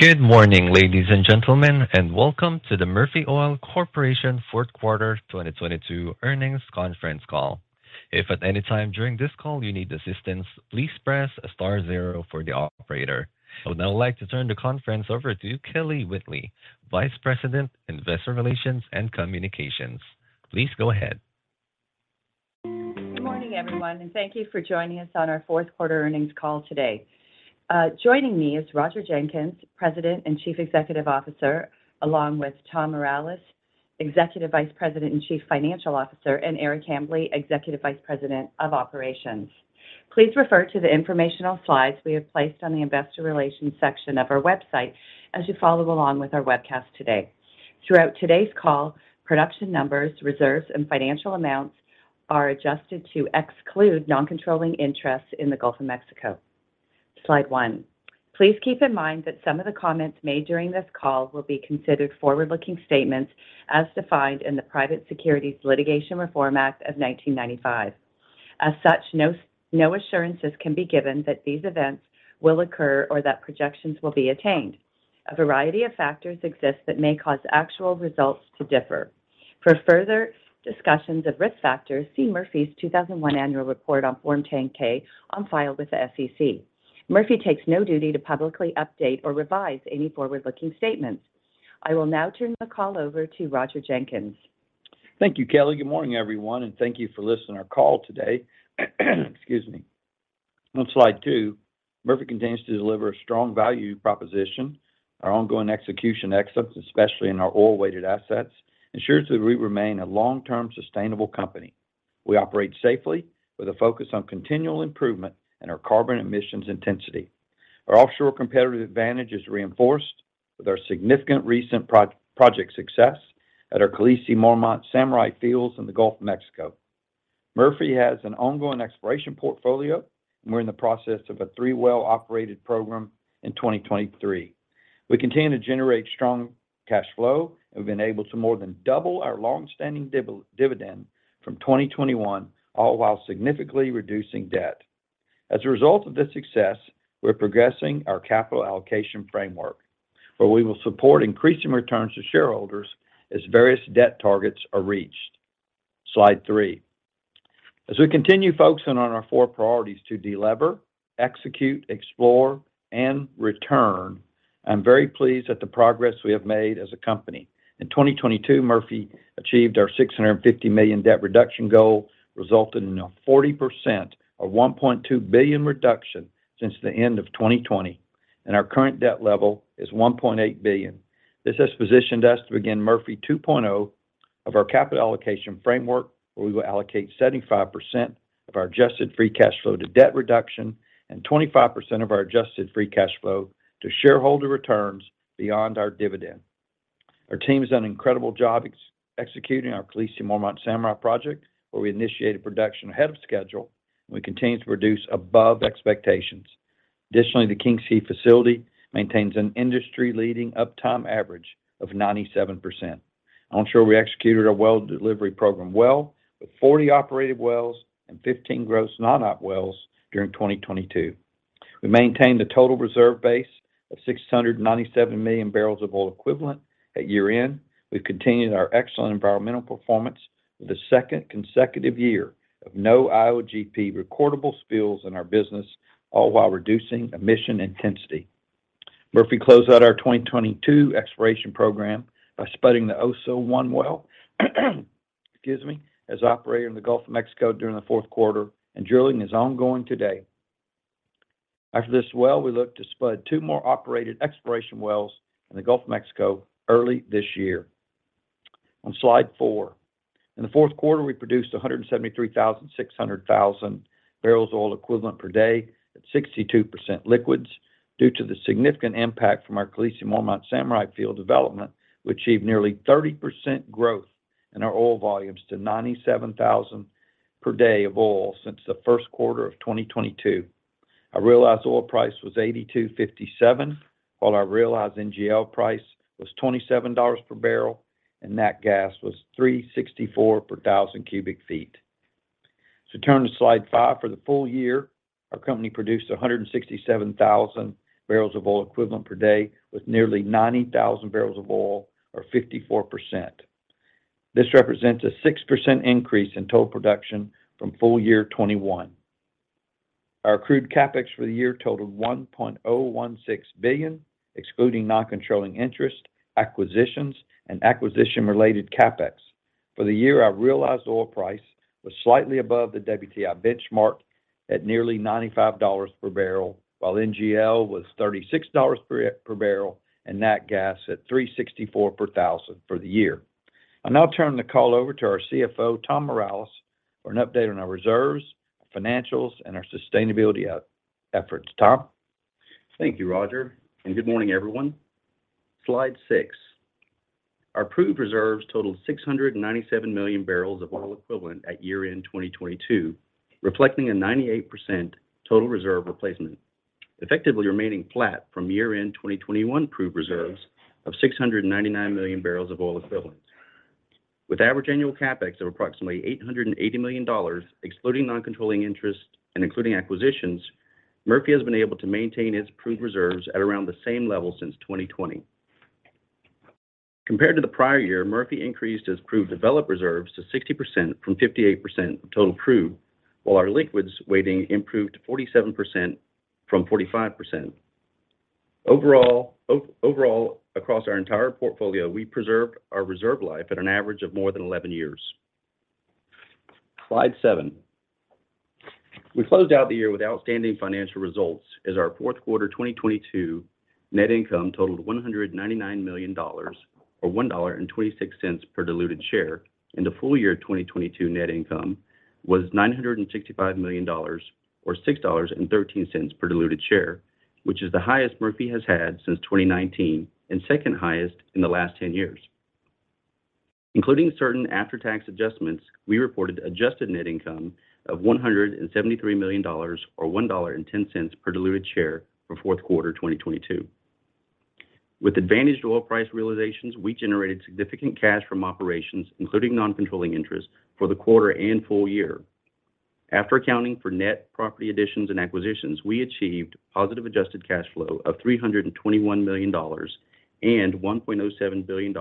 Good morning, ladies and gentlemen, and welcome to the Murphy Oil Corporation Q4 2022 earnings conference call. If at any time during this call you need assistance, please press star zero for the operator. I would now like to turn the conference over to Kelly Whitley, Vice President, Investor Relations and Communications. Please go ahead. Good morning, everyone, thank you for joining us on our Q4 earnings call today. Joining me is Roger Jenkins, President and Chief Executive Officer, along with Tom Mireles, Executive Vice President and Chief Financial Officer, and Eric Hambly, Executive Vice President of Operations. Please refer to the informational slides we have placed on the investor relations section of our website as you follow along with our webcast today. Throughout today's call, production numbers, reserves, and financial amounts are adjusted to exclude non-controlling interests in the Gulf of Mexico. Slide 1. Please keep in mind that some of the comments made during this call will be considered forward-looking statements as defined in the Private Securities Litigation Reform Act of 1995. As such, no assurances can be given that these events will occur or that projections will be attained. A variety of factors exist that may cause actual results to differ. For further discussions of risk factors, see Murphy's 2001 annual report on Form 10-K on file with the SEC. Murphy takes no duty to publicly update or revise any forward-looking statements. I will now turn the call over to Roger Jenkins. Thank you, Kelly. Good morning, everyone, and thank you for listening to our call today. Excuse me. On slide 2, Murphy continues to deliver a strong value proposition. Our ongoing execution excellence, especially in our oil-weighted assets, ensures that we remain a long-term sustainable company. We operate safely with a focus on continual improvement and our carbon emissions intensity. Our offshore competitive advantage is reinforced with our significant recent project success at our Calliope, Marmot, Samurai fields in the Gulf of Mexico. Murphy has an ongoing exploration portfolio, and we're in the process of a 3 well-operated program in 2023. We continue to generate strong cash flow and have been able to more than double our long-standing dividend from 2021, all while significantly reducing debt. As a result of this success, we're progressing our capital allocation framework, where we will support increasing returns to shareholders as various debt targets are reached. Slide 3. As we continue focusing on our four priorities to delever, execute, explore, and return, I'm very pleased at the progress we have made as a company. In 2022, Murphy achieved our $650 million debt reduction goal, resulting in a 40% or $1.2 billion reduction since the end of 2020. Our current debt level is $1.8 billion. This has positioned us to begin Murphy 2.0 of our capital allocation framework, where we will allocate 75% of our adjusted free cash flow to debt reduction and 25% of our adjusted free cash flow to shareholder returns beyond our dividend. Our team has done an incredible job executing our Calliope, Mormont, Samurai project, where we initiated production ahead of schedule. We continue to produce above expectations. Additionally, the King's Quay facility maintains an industry-leading uptime average of 97%. Onshore, we executed our well delivery program well, with 40 operated wells and 15 gross non-op wells during 2022. We maintained a total reserve base of 697 million barrels of oil equivalent at year-end. We've continued our excellent environmental performance with a second consecutive year of no IOGP recordable spills in our business, all while reducing emission intensity. Murphy closed out our 2022 exploration program by spudding the Oso-1 well, excuse me, as operator in the Gulf of Mexico during the Q4. Drilling is ongoing today. After this well, we look to spud two more operated exploration wells in the Gulf of Mexico early this year. On slide 4. In the Q4, we produced 173,600 thousand barrels of oil equivalent per day at 62% liquids. Due to the significant impact from our Calliope, Marmot, Samurai field development, we achieved nearly 30% growth in our oil volumes to 97,000 per day of oil since the Q1 of 2022. Our realized oil price was $82.57, while our realized NGL price was $27 per barrel, and nat gas was $3.64 per thousand cubic feet. Turning to slide 5 for the full year, our company produced 167,000 barrels of oil equivalent per day with nearly 90,000 barrels of oil or 54%. This represents a 6% increase in total production from full year 2021. Our accrued CapEx for the year totaled $1.016 billion, excluding non-controlling interest, acquisitions, and acquisition-related CapEx. For the year, our realized oil price was slightly above the WTI benchmark at nearly $95 per barrel, while NGL was $36 per barrel and nat gas at $3.64 per thousand for the year. I'll now turn the call over to our CFO, Tom Mireles, for an update on our reserves, financials, and our sustainability efforts. Tom? Thank you, Roger, and good morning, everyone. Slide 6. Our proved reserves totaled 697 million barrels of oil equivalent at year-end 2022, reflecting a 98% total reserve replacement, effectively remaining flat from year-end 2021 proved reserves of 699 million barrels of oil equivalents. With average annual CapEx of approximately $880 million, excluding non-controlling interest and including acquisitions, Murphy has been able to maintain its proved reserves at around the same level since 2020. Compared to the prior year, Murphy increased its proved developed reserves to 60% from 58% of total proved, while our liquids weighting improved to 47% from 45%. Overall, across our entire portfolio, we preserved our reserve life at an average of more than 11 years. Slide 7. We closed out the year with outstanding financial results as our Q4 2022 net income totaled $199 million or $1.26 per diluted share, and the full year 2022 net income was $965 million or $6.13 per diluted share, which is the highest Murphy has had since 2019 and second highest in the last 10 years. Including certain after-tax adjustments, we reported adjusted net income of $173 million or $1.10 per diluted share for Q4 2022. With advantaged oil price realizations, we generated significant cash from operations, including non-controlling interest for the quarter and full year. After accounting for net property additions and acquisitions, we achieved positive adjusted cash flow of $321 million and $1.07 billion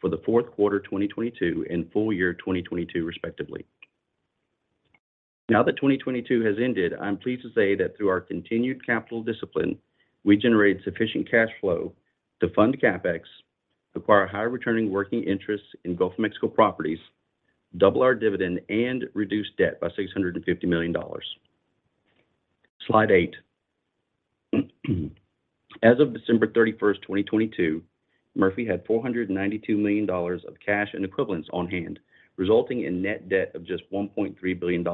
for the Q4 2022 and full year 2022 respectively. Now that 2022 has ended, I'm pleased to say that through our continued capital discipline, we generated sufficient cash flow to fund CapEx, acquire higher returning working interests in Gulf of Mexico properties, double our dividend, and reduce debt by $650 million. Slide 8. As of December 31st, 2022, Murphy had $492 million of cash and equivalents on hand, resulting in net debt of just $1.3 billion.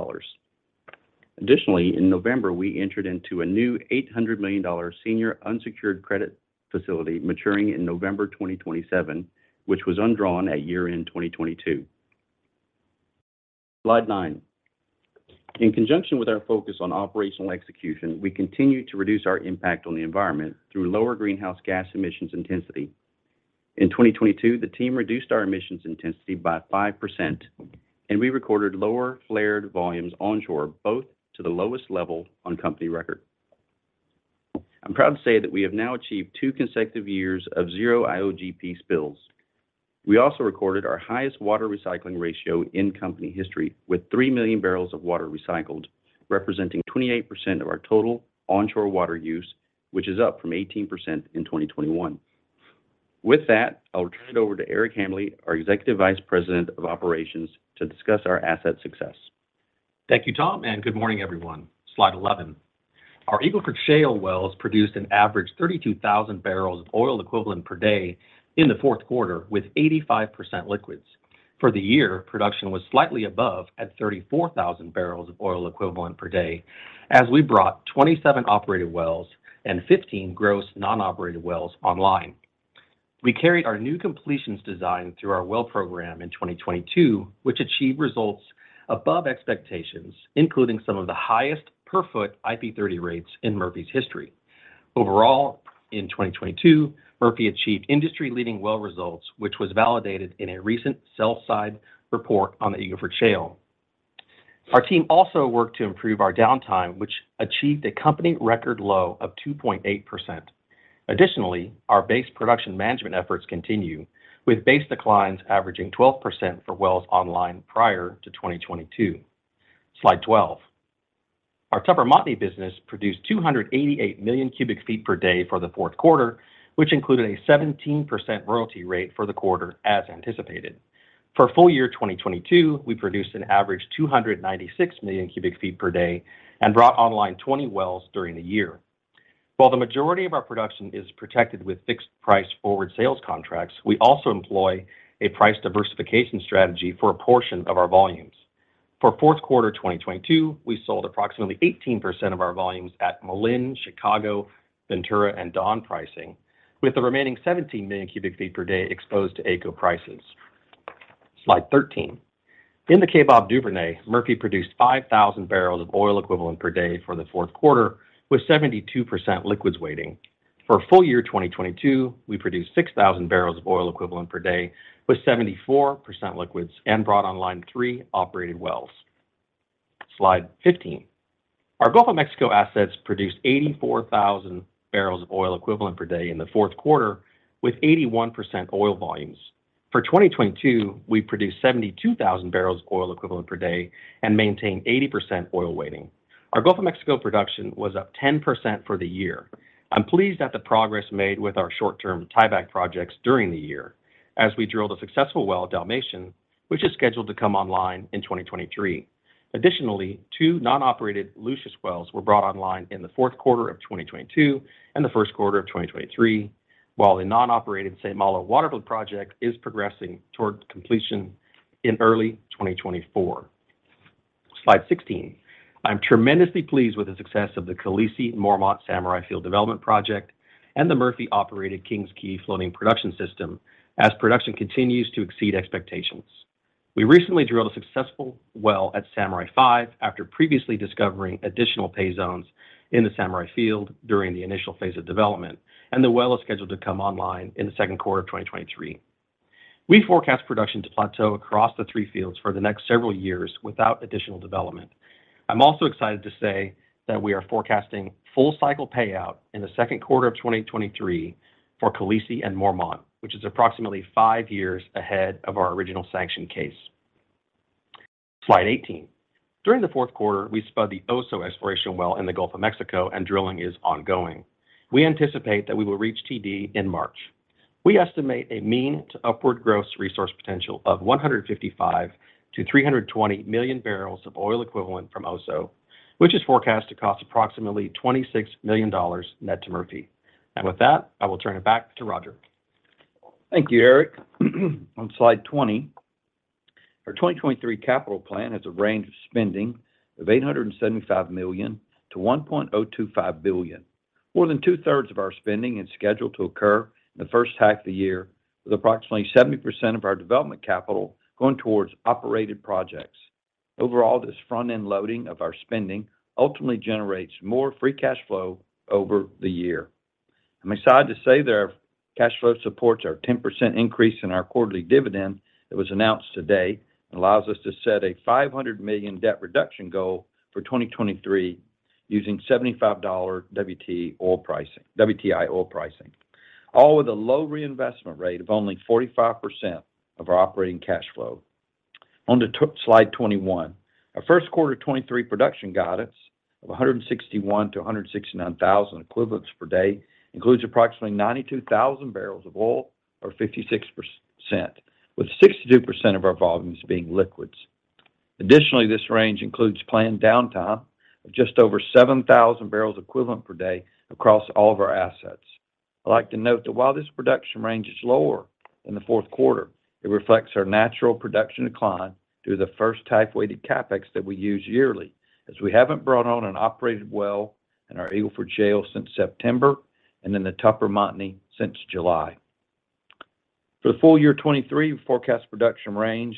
Additionally, in November, we entered into a new $800 million senior unsecured credit facility maturing in November 2027, which was undrawn at year-end 2022. Slide 9. In conjunction with our focus on operational execution, we continue to reduce our impact on the environment through lower greenhouse gas emissions intensity. In 2022, the team reduced our emissions intensity by 5%, and we recorded lower flared volumes onshore, both to the lowest level on company record. I'm proud to say that we have now achieved 2 consecutive years of zero IOGP spills. We also recorded our highest water recycling ratio in company history with 3 million barrels of water recycled, representing 28% of our total onshore water use, which is up from 18% in 2021. With that, I'll turn it over to Eric Hambly, our Executive Vice President of Operations, to discuss our asset success. Thank you, Tom. Good morning, everyone. Slide 11. Our Eagle Ford Shale wells produced an average 32,000 barrels of oil equivalent per day in the Q4 with 85% liquids. For the year, production was slightly above at 34,000 barrels of oil equivalent per day as we brought 27 operated wells and 15 gross non-operated wells online. We carried our new completions design through our well program in 2022, which achieved results above expectations, including some of the highest per foot IP30 rates in Murphy's history. Overall, in 2022, Murphy achieved industry-leading well results, which was validated in a recent sell side report on the Eagle Ford Shale. Our team also worked to improve our downtime, which achieved a company record low of 2.8%. Additionally, our base production management efforts continue, with base declines averaging 12% for wells online prior to 2022. Slide 12. Our Tupper Montney business produced 288 million cubic feet per day for the Q4, which included a 17% royalty rate for the quarter as anticipated. For full year 2022, we produced an average 296 million cubic feet per day and brought online 20 wells during the year. While the majority of our production is protected with fixed price forward sales contracts, we also employ a price diversification strategy for a portion of our volumes. For Q4 2022, we sold approximately 18% of our volumes at Malin, Chicago, Ventura, and Dawn pricing, with the remaining 17 million cubic feet per day exposed to AECO prices. Slide 13. In the Kaybob Duvernay, Murphy produced 5,000 barrels of oil equivalent per day for the Q4 with 72% liquids weighting. For full year 2022, we produced 6,000 barrels of oil equivalent per day with 74% liquids and brought online three operated wells. Slide 15. Our Gulf of Mexico assets produced 84,000 barrels of oil equivalent per day in the Q4 with 81% oil volumes. For 2022, we produced 72,000 barrels of oil equivalent per day and maintained 80% oil weighting. Our Gulf of Mexico production was up 10% for the year. I'm pleased at the progress made with our short-term tieback projects during the year as we drilled a successful well at Dalmatian, which is scheduled to come online in 2023. Additionally, two non-operated Lucius wells were brought online in the Q4 of 2022 and the Q1 of 2023, while the non-operated St. Malo water flood project is progressing toward completion in early 2024. Slide 16. I'm tremendously pleased with the success of the Khaleesi and Mormont Samurai Field Development Project and the Murphy-operated King's Quay floating production system as production continues to exceed expectations. We recently drilled a successful well at Samurai 5 after previously discovering additional pay zones in the Samurai field during the initial phase of development, and the well is scheduled to come online in the Q2 of 2023. We forecast production to plateau across the three fields for the next several years without additional development. I'm also excited to say that we are forecasting full cycle payout in the Q2 of 2023 for Khaleesi and Mormont, which is approximately 5 years ahead of our original sanction case. Slide 18. During the Q4, we spud the Oso exploration well in the Gulf of Mexico and drilling is ongoing. We anticipate that we will reach TD in March. We estimate a mean to upward gross resource potential of 155 million-320 million barrels of oil equivalent from Oso, which is forecast to cost approximately $26 million net to Murphy. With that, I will turn it back to Roger. Thank you, Eric. On slide 20, our 2023 capital plan has a range of spending of $875 million-$1.025 billion. More than two-thirds of our spending is scheduled to occur in the H1 of the year, with approximately 70% of our development capital going towards operated projects. This front-end loading of our spending ultimately generates more free cash flow over the year. I'm excited to say that our cash flow supports our 10% increase in our quarterly dividend that was announced today and allows us to set a $500 million debt reduction goal for 2023 using $75 WTI oil pricing, all with a low reinvestment rate of only 45% of our operating cash flow. On to slide 21. Our Q1 2023 production guidance of 161,000 to to 169,000 equivalents per day includes approximately 92,000 barrels of oil or 56%, with 62% of our volumes being liquids. This range includes planned downtime of just over 7,000 barrels equivalent per day across all of our assets. I'd like to note that while this production range is lower than the Q4, it reflects our natural production decline due to the weighted CapEx that we use yearly, as we haven't brought on an operated well in our Eagle Ford Shale since September and in the Tupper Montney since July. For the full year 2023, we forecast production range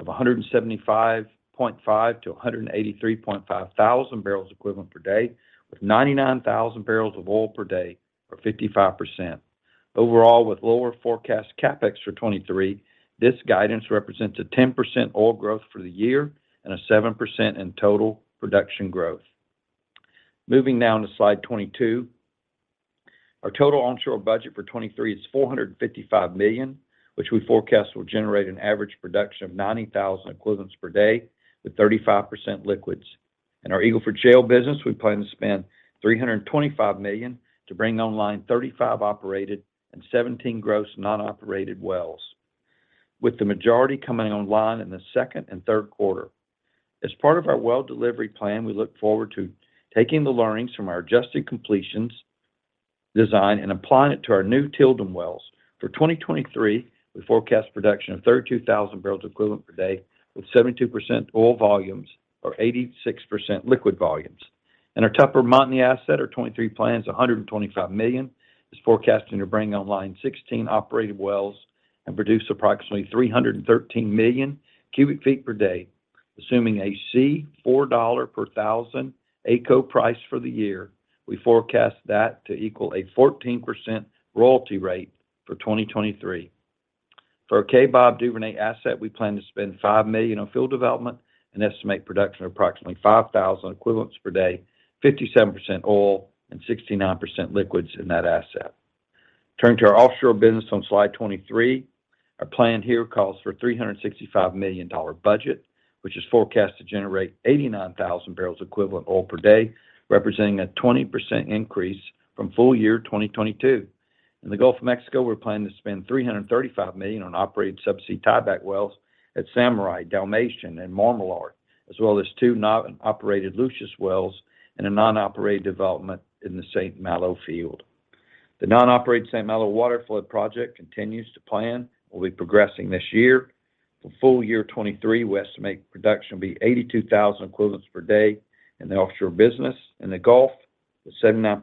of 175.5 to 183.5 thousand barrels equivalent per day, with 99,000 barrels of oil per day or 55%. Overall, with lower forecast CapEx for 2023, this guidance represents a 10% oil growth for the year and a 7% in total production growth. Moving now to slide 22. Our total onshore budget for 2023 is $455 million, which we forecast will generate an average production of 90,000 equivalents per day with 35% liquids. In our Eagle Ford Shale business, we plan to spend $325 million to bring online 35 operated and 17 gross non-operated wells, with the majority coming online in the second and Q3. As part of our well delivery plan, we look forward to taking the learnings from our adjusted completions design and applying it to our new Tilden wells. For 2023, we forecast production of 32,000 barrels equivalent per day, with 72% oil volumes or 86% liquid volumes. In our Tupper Montney asset, our 2023 plan is $125 million, is forecasting to bring online 16 operated wells and produce approximately 313 million cubic feet per day, assuming a 4 dollar per thousand AECO price for the year. We forecast that to equal a 14% royalty rate for 2023. For our Kaybob Duvernay asset, we plan to spend $5 million on field development and estimate production of approximately 5,000 equivalents per day, 57% oil and 69% liquids in that asset. Turning to our offshore business on slide 23. Our plan here calls for $365 million budget, which is forecast to generate 89,000 barrels equivalent oil per day, representing a 20% increase from full year 2022. In the Gulf of Mexico, we're planning to spend $335 million on operated subsea tieback wells at Samurai, Dalmatian, and Marmalard, as well as two non-operated Lucius wells and a non-operated development in the St. Malo field. The non-operated St. Malo water flood project continues to plan, will be progressing this year. For full year 2023, we estimate production will be 82,000 equivalents per day in the offshore business. In the Gulf, with 79%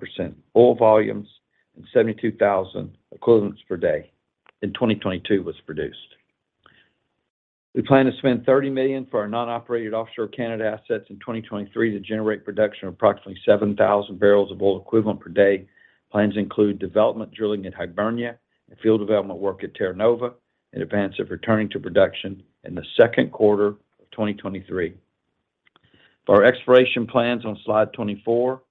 oil volumes and 72,000 equivalents per day in 2022 was produced. We plan to spend $30 million for our non-operated offshore Canada assets in 2023 to generate production of approximately 7,000 barrels of oil equivalent per day. Plans include development drilling at Hibernia and field development work at Terra Nova in advance of returning to production in the Q2 of 2023. For our exploration plans on slide 24, our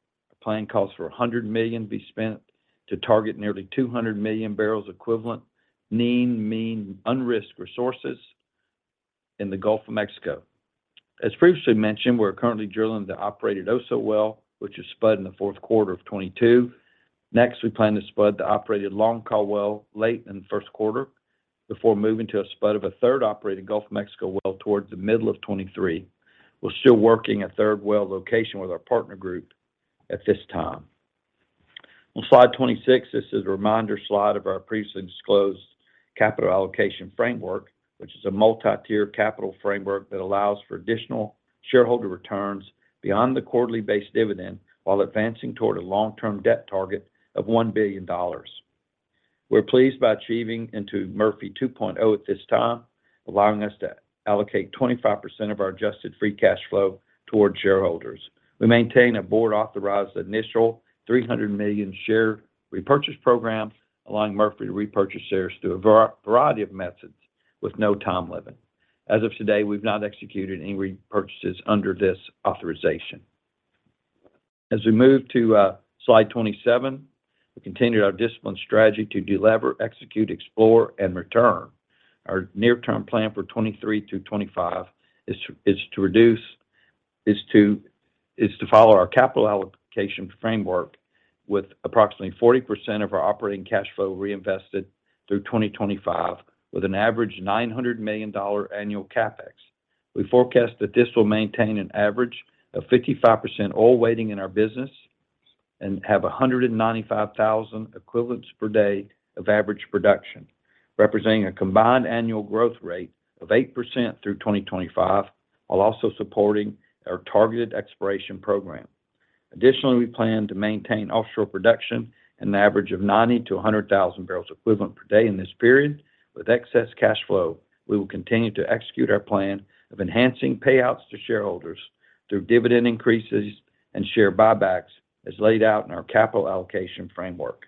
plan calls for $100 million to be spent to target nearly $200 million barrels equivalent mean unrisked resources in the Gulf of Mexico. As previously mentioned, we're currently drilling the operated Oso well, which is spud in the Q4 of 2022. Next, we plan to spud the operated Longhorn well late in the Q1 before moving to a spud of a third operated Gulf of Mexico well towards the middle of 2023. We're still working a third well location with our partner group at this time. On slide 26, this is a reminder slide of our previously disclosed capital allocation framework, which is a multi-tiered capital framework that allows for additional shareholder returns beyond the quarterly based dividend while advancing toward a long-term debt target of $1 billion. We're pleased by achieving into Murphy 2.0 at this time, allowing us to allocate 25% of our adjusted free cash flow towards shareholders. We maintain a board-authorized initial $300 million share repurchase program, allowing Murphy to repurchase shares through a variety of methods with no time limit. As of today, we've not executed any repurchases under this authorization. As we move to slide 27, we continued our disciplined strategy to delever, execute, explore, and return. Our near-term plan for 23 through 25 is to follow our capital allocation framework with approximately 40% of our operating cash flow reinvested through 2025, with an average $900 million annual CapEx. We forecast that this will maintain an average of 55% oil weighting in our business and have 195,000 equivalents per day of average production, representing a combined annual growth rate of 8% through 2025, while also supporting our targeted exploration program. Additionally, we plan to maintain offshore production at an average of 90,000 to 100,000 barrels equivalent per day in this period. With excess cash flow, we will continue to execute our plan of enhancing payouts to shareholders through dividend increases and share buybacks, as laid out in our capital allocation framework.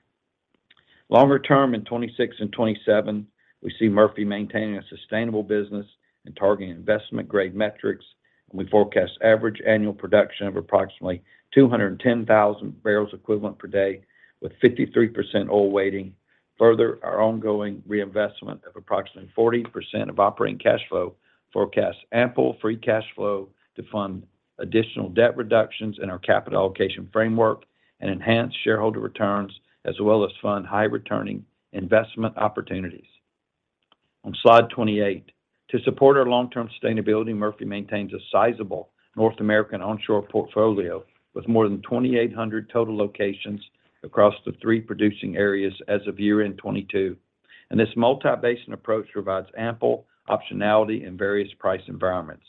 Longer term, in 2026 and 2027, we see Murphy maintaining a sustainable business and targeting investment-grade metrics, and we forecast average annual production of approximately 210,000 barrels equivalent per day, with 53% oil weighting. Further, our ongoing reinvestment of approximately 40% of operating cash flow forecasts ample free cash flow to fund additional debt reductions in our capital allocation framework and enhance shareholder returns, as well as fund high-returning investment opportunities. On slide 28, to support our long-term sustainability, Murphy maintains a sizable North American onshore portfolio with more than 2,800 total locations across the 3 producing areas as of year-end 2022. This multi-basin approach provides ample optionality in various price environments.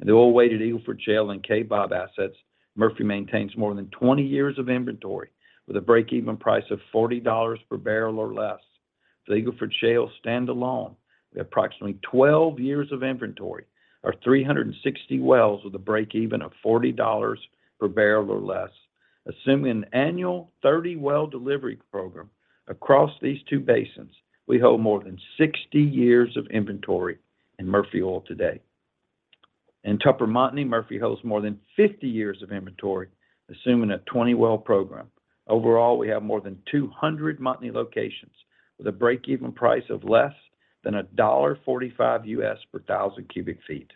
In the oil-weighted Eagle Ford Shale and Kaybob assets, Murphy maintains more than 20 years of inventory with a break-even price of $40 per barrel or less. The Eagle Ford Shale standalone, with approximately 12 years of inventory or 360 wells with a break even of $40 per barrel or less. Assuming an annual 30-well delivery program across these two basins, we hold more than 60 years of inventory in Murphy Oil today. In Tupper Montney, Murphy holds more than 50 years of inventory, assuming a 20-well program. Overall, we have more than 200 Montney locations with a break even price of less than $1.45 U.S. per thousand cubic feet.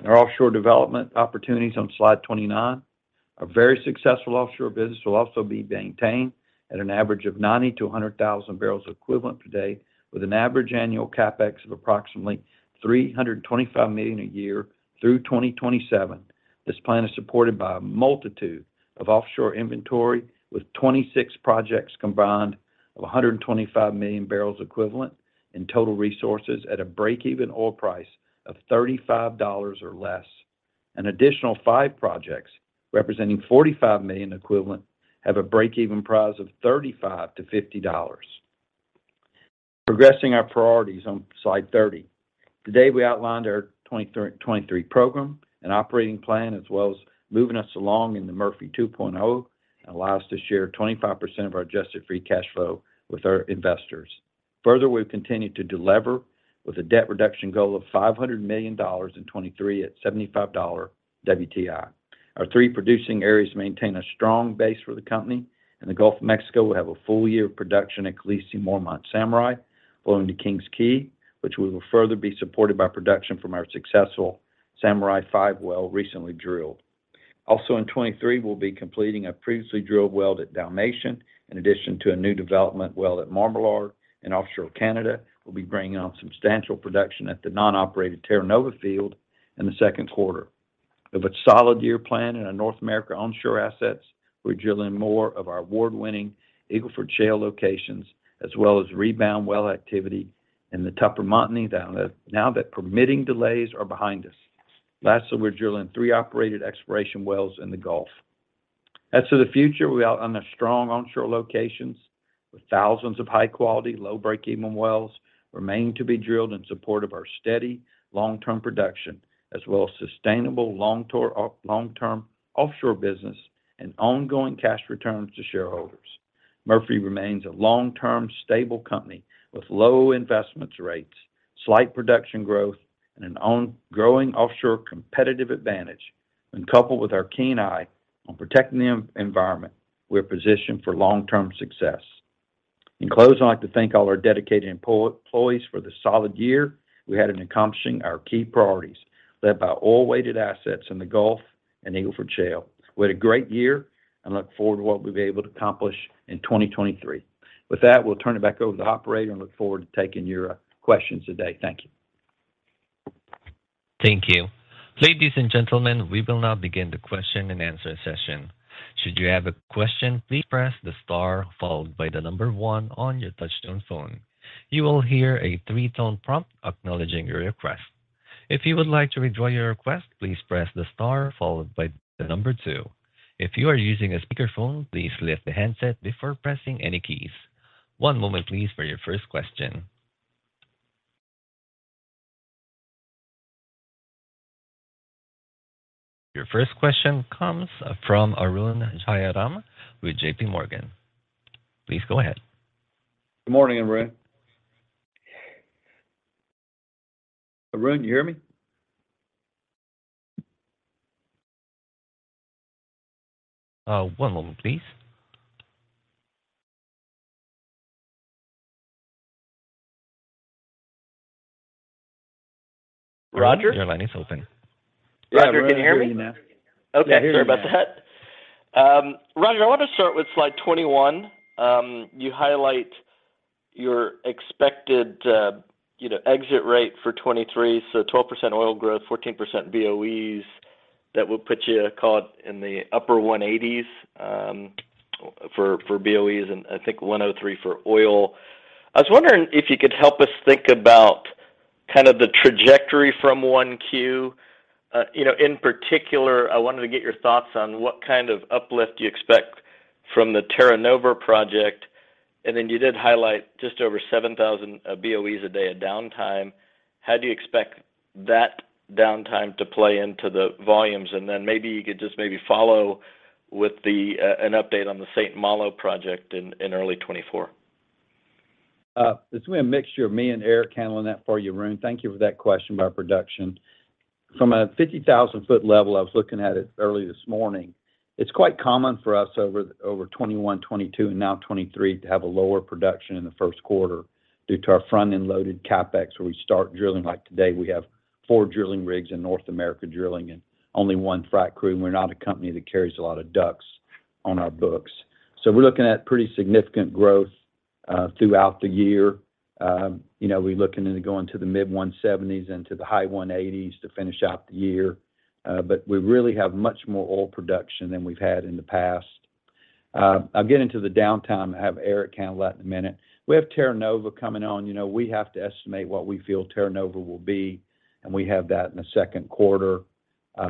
In our offshore development opportunities on slide 29, our very successful offshore business will also be maintained at an average of 90 to 100 thousand barrels equivalent per day, with an average annual CapEx of approximately $325 million a year through 2027. This plan is supported by a multitude of offshore inventory, with 26 projects combined of 125 million barrels equivalent in total resources at a break-even oil price of $35 or less. An additional 5 projects, representing 45 million equivalent, have a break-even price of $35 to $50. Progressing our priorities on slide 30. Today, we outlined our 2023 program and operating plan, as well as moving us along in the Murphy 2.0 that allows us to share 25% of our adjusted free cash flow with our investors. Further, we've continued to delever with a debt reduction goal of $500 million in 2023 at $75 WTI. Our 3 producing areas maintain a strong base for the company. In the Gulf of Mexico, we have a full year of production at Calliope, Mormont, Samurai, flowing to King's Quay, which will further be supported by production from our successful Samurai 5 well recently drilled. Also in 23, we'll be completing a previously drilled well at Dalmatian, in addition to a new development well at Marmalard. In offshore Canada, we'll be bringing on substantial production at the non-operated Terra Nova field in the Q2. We have a solid year plan in our North America onshore assets. We're drilling more of our award-winning Eagle Ford Shale locations, as well as rebound well activity in the Tupper Montney now that permitting delays are behind us. Lastly, we're drilling 3 operated exploration wells in the Gulf. As to the future, we own strong onshore locations, with thousands of high-quality, low break-even wells remaining to be drilled in support of our steady long-term production, as well as sustainable long-term offshore business and ongoing cash returns to shareholders. Murphy remains a long-term, stable company with low investments rates, slight production growth, and a growing offshore competitive advantage. Coupled with our keen eye on protecting the environment, we are positioned for long-term success. In closing, I'd like to thank all our dedicated employees for the solid year we had in accomplishing our key priorities, led by oil-weighted assets in the Gulf and Eagle Ford Shale. We had a great year and look forward to what we'll be able to accomplish in 2023. We'll turn it back over to the operator and look forward to taking your questions today. Thank you. Thank you. Ladies and gentlemen, we will now begin the question-and-answer session. Should you have a question, please press the star followed by 1 on your touchtone phone. You will hear a three-tone prompt acknowledging your request. If you would like to withdraw your request, please press the star followed by 2. If you are using a speakerphone, please lift the handset before pressing any keys. One moment please for your first question. Your first question comes from Arun Jayaram with JP Morgan. Please go ahead. Good morning, Arun. Arun, you hear me? One moment please. Roger? Your line is open. Roger, can you hear me? Yeah, we're hearing you now. Okay, sorry about that. Roger, I want to start with slide 21. You highlight your expected exit rate for 2023. 12% oil growth, 14% BOEs. That would put you, call it, in the upper 180s for BOEs, and I think 103 for oil. I was wondering if you could help us think about kind of the trajectory from 1Q. In particular, I wanted to get your thoughts on what kind of uplift you expect from the Terra Nova project. You did highlight just over 7,000 BOEs a day of downtime. How do you expect that downtime to play into the volumes? Maybe you could just follow with an update on the St. Malo project in early 2024. It's gonna be a mixture of me and Eric handling that for you, Arun. Thank you for that question about production. From a 50,000-foot level, I was looking at it early this morning. It's quite common for us over 2021, 2022, and now 2023 to have a lower production in the Q1 due to our front-end loaded CapEx, where we start drilling. Like today, we have four drilling rigs in North America drilling and only one frac crew, and we're not a company that carries a lot of ducks on our books. We're looking at pretty significant growth throughout the year. You know, we're looking into going to the mid-170s into the high 180s to finish out the year. We really have much more oil production than we've had in the past. I'll get into the downtime and have Eric handle that in a minute. We have Terra Nova coming on. You know, we have to estimate what we feel Terra Nova will be, and we have that in the Q2.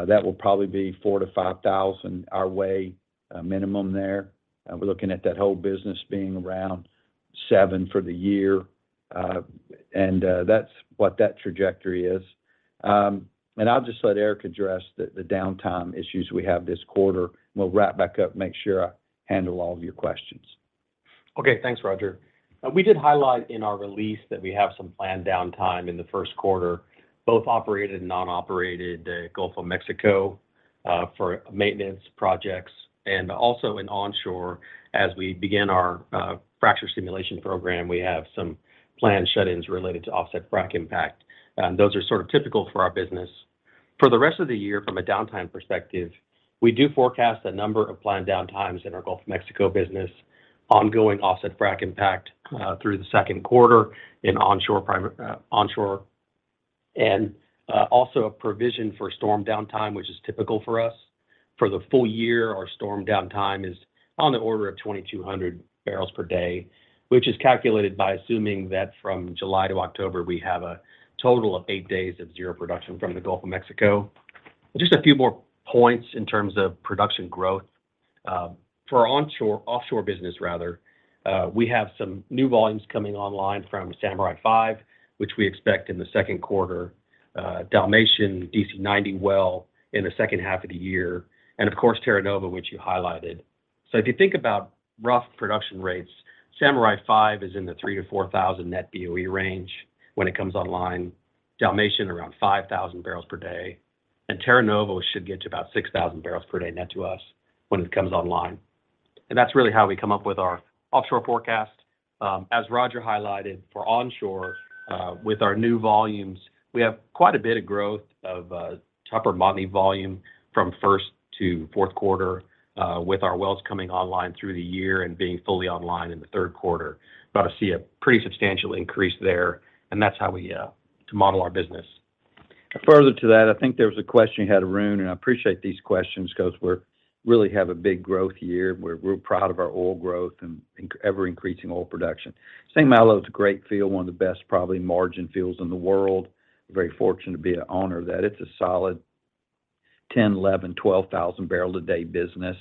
That will probably be 4,000 to 5,000 our way, minimum there. We're looking at that whole business being around seven for the year. That's what that trajectory is. I'll just let Eric address the downtime issues we have this quarter. We'll wrap back up, make sure I handle all of your questions. Okay, thanks, Roger. We did highlight in our release that we have some planned downtime in the Q1, both operated and non-operated, Gulf of Mexico, for maintenance projects and also in onshore. We begin our fracture simulation program, we have some planned shut-ins related to offset frac impact. Those are sort of typical for our business. The rest of the year, from a downtime perspective, we do forecast a number of planned downtimes in our Gulf of Mexico business, ongoing offset frac impact through the Q2 in onshore, also a provision for storm downtime, which is typical for us. For the full year, our storm downtime is on the order of 2,200 barrels per day, which is calculated by assuming that from July to October, we have a total of 8 days of zero production from the Gulf of Mexico. Just a few more points in terms of production growth. For our offshore business rather, we have some new volumes coming online from Samurai 5, which we expect in the Q2, Dalmatian DC 90 Well in the H2 of the year, and of course Terra Nova, which you highlighted. If you think about rough production rates, Samurai 5 is in the 3,000 to 4,000 net BOE range when it comes online, Dalmatian around 5,000 barrels per day, and Terra Nova should get to about 6,000 barrels per day net to us when it comes online. That's really how we come up with our offshore forecast. As Roger highlighted, for onshore, with our new volumes, we have quite a bit of growth of Tupper Montney volume from first to Q4, with our wells coming online through the year and being fully online in the Q3. About to see a pretty substantial increase there, that's how we model our business. Further to that, I think there was a question you had, Arun, and I appreciate these questions because we're really have a big growth year. We're proud of our oil growth and ever-increasing oil production. St. Malo is a great field, one of the best probably margin fields in the world. Very fortunate to be an owner of that. It's a solid 10,000 to 12,000 barrel a day business.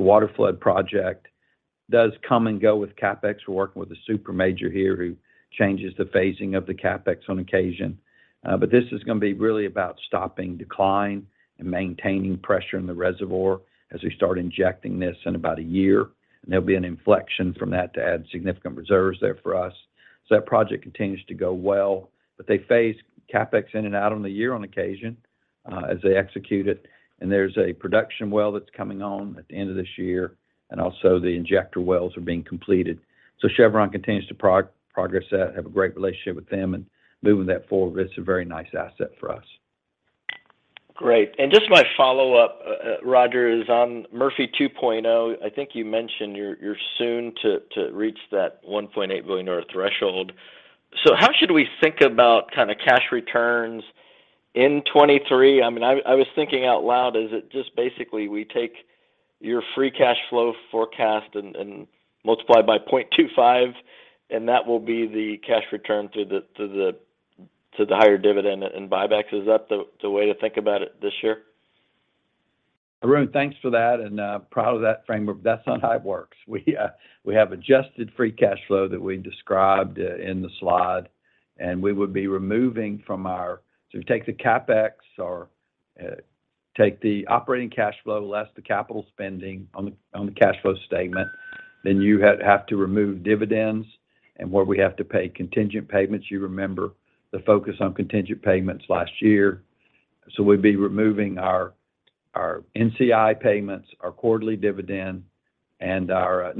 The Water Flood project does come and go with CapEx. We're working with a super major here who changes the phasing of the CapEx on occasion. But this is gonna be really about stopping decline and maintaining pressure in the reservoir as we start injecting this in about a year. There'll be an inflection from that to add significant reserves there for us. That project continues to go well, but they phase CapEx in and out on the year on occasion as they execute it. There's a production well that's coming on at the end of this year, and also the injector wells are being completed. Chevron continues to progress that, have a great relationship with them and moving that forward. It's a very nice asset for us. Great. Just my follow-up, Roger, is on Murphy 2.0. I think you mentioned you're soon to reach that $1.8 billion or threshold. How should we think about kind of cash returns in 2023? I mean, I was thinking out loud, is it just basically we take your free cash flow forecast and multiply by 0.25 That will be the cash return through the, to the higher dividend and buybacks. Is that the way to think about it this year? Arun, thanks for that. That's not how it works. We have adjusted free cash flow that we described in the slide. If you take the CapEx or take the operating cash flow less the capital spending on the cash flow statement, then you have to remove dividends and where we have to pay contingent payments. You remember the focus on contingent payments last year. We'd be removing our NCI payments, our quarterly dividend, and our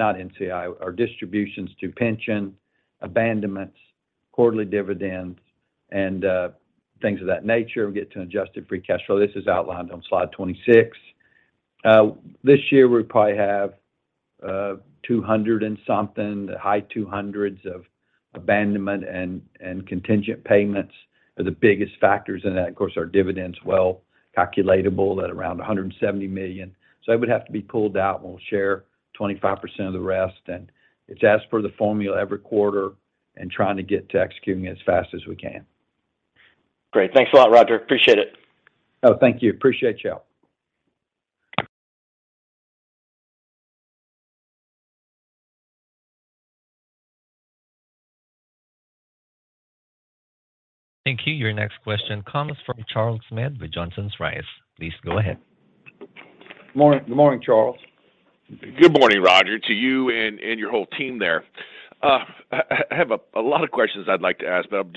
distributions to pension, abandonments, quarterly dividends, and things of that nature. We get to adjusted free cash flow. This is outlined on slide 26. This year we probably have $200 and something, high $200s of abandonment and contingent payments are the biggest factors in that. Of course, our dividends, well, calculable at around $170 million. It would have to be pulled out, and we'll share 25% of the rest. It's as per the formula every quarter and trying to get to executing it as fast as we can. Great. Thanks a lot, Roger. Appreciate it. Oh, thank you. Appreciate y'all. Thank you. Your next question comes from Charles Meade with Johnson Rice. Please go ahead. Morning. Good morning, Charles. Good morning, Roger, to you and your whole team there. I have a lot of questions I'd like to ask. Well, I'll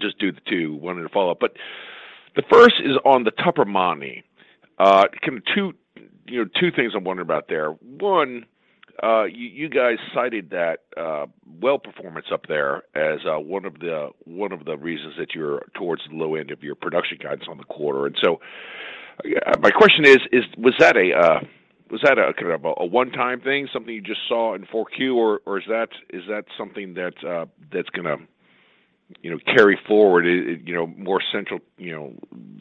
just do the 2. 1 in a follow-up. The first is on the Tupper Montney. kind of 2, you know, 2 things I'm wondering about there. 1, you guys cited that well performance up there as 1 of the, 1 of the reasons that you're towards the low end of your production guides on the quarter. My question is, was that a kind of a 1-time thing, something you just saw in 4Q? Is that something that's going to, you know, carry forward, you know, more central, you know,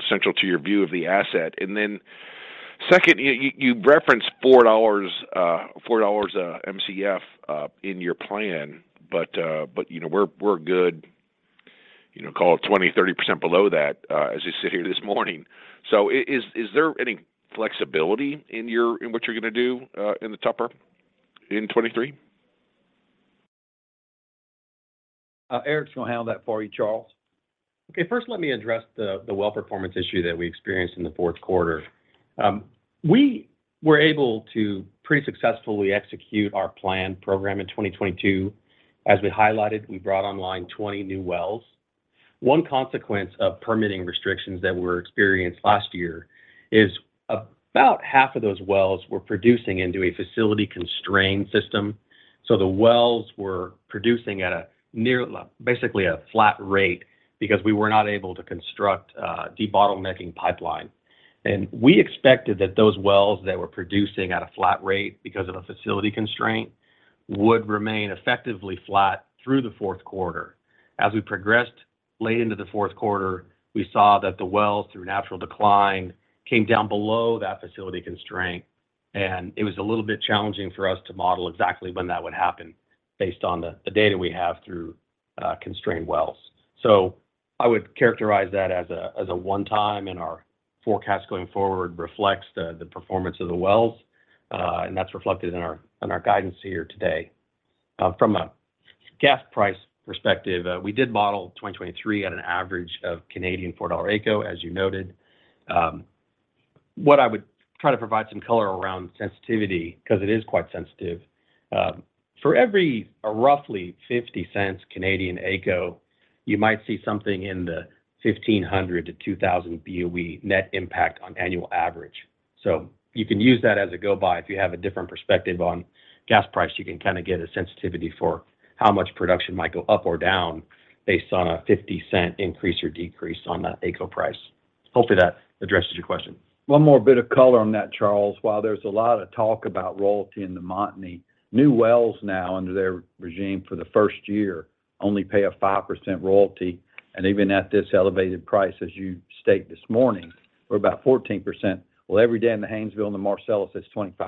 central to your view of the asset? Second, you referenced $4 MCF in your plan, but you know, we're good, you know, call it 20%, 30% below that, as you sit here this morning. Is there any flexibility in your, in what you're going to do, in the Tupper in 2023? Eric's gonna handle that for you, Charles. Okay. First let me address the well performance issue that we experienced in the Q4. We were able to pretty successfully execute our plan program in 2022. As we highlighted, we brought online 20 new wells. One consequence of permitting restrictions that were experienced last year is about half of those wells were producing into a facility constrained system. The wells were producing at a near, basically a flat rate because we were not able to construct a debottlenecking pipeline. We expected that those wells that were producing at a flat rate because of a facility constraint would remain effectively flat through the Q4. As we progressed late into the Q4, we saw that the wells, through natural decline, came down below that facility constraint, and it was a little bit challenging for us to model exactly when that would happen based on the data we have through constrained wells. I would characterize that as a one-time, and our forecast going forward reflects the performance of the wells, and that's reflected in our guidance here today. From a gas price perspective, we did model 2023 at an average of 4 Canadian dollars AECO, as you noted. What I would try to provide some color around sensitivity because it is quite sensitive. For every roughly 0.50 AECO, you might see something in the 1,500-2,000 BOE net impact on annual average. You can use that as a go by. If you have a different perspective on gas price, you can kind of get a sensitivity for how much production might go up or down based on a 0.50 increase or decrease on the AECO price. Hopefully that addresses your question. One more bit of color on that, Charles. While there's a lot of talk about royalty in the Montney, new wells now under their regime for the first year only pay a 5% royalty. Even at this elevated price, as you state this morning, we're about 14%. Well, every day in the Haynesville and the Marcellus, it's 25%.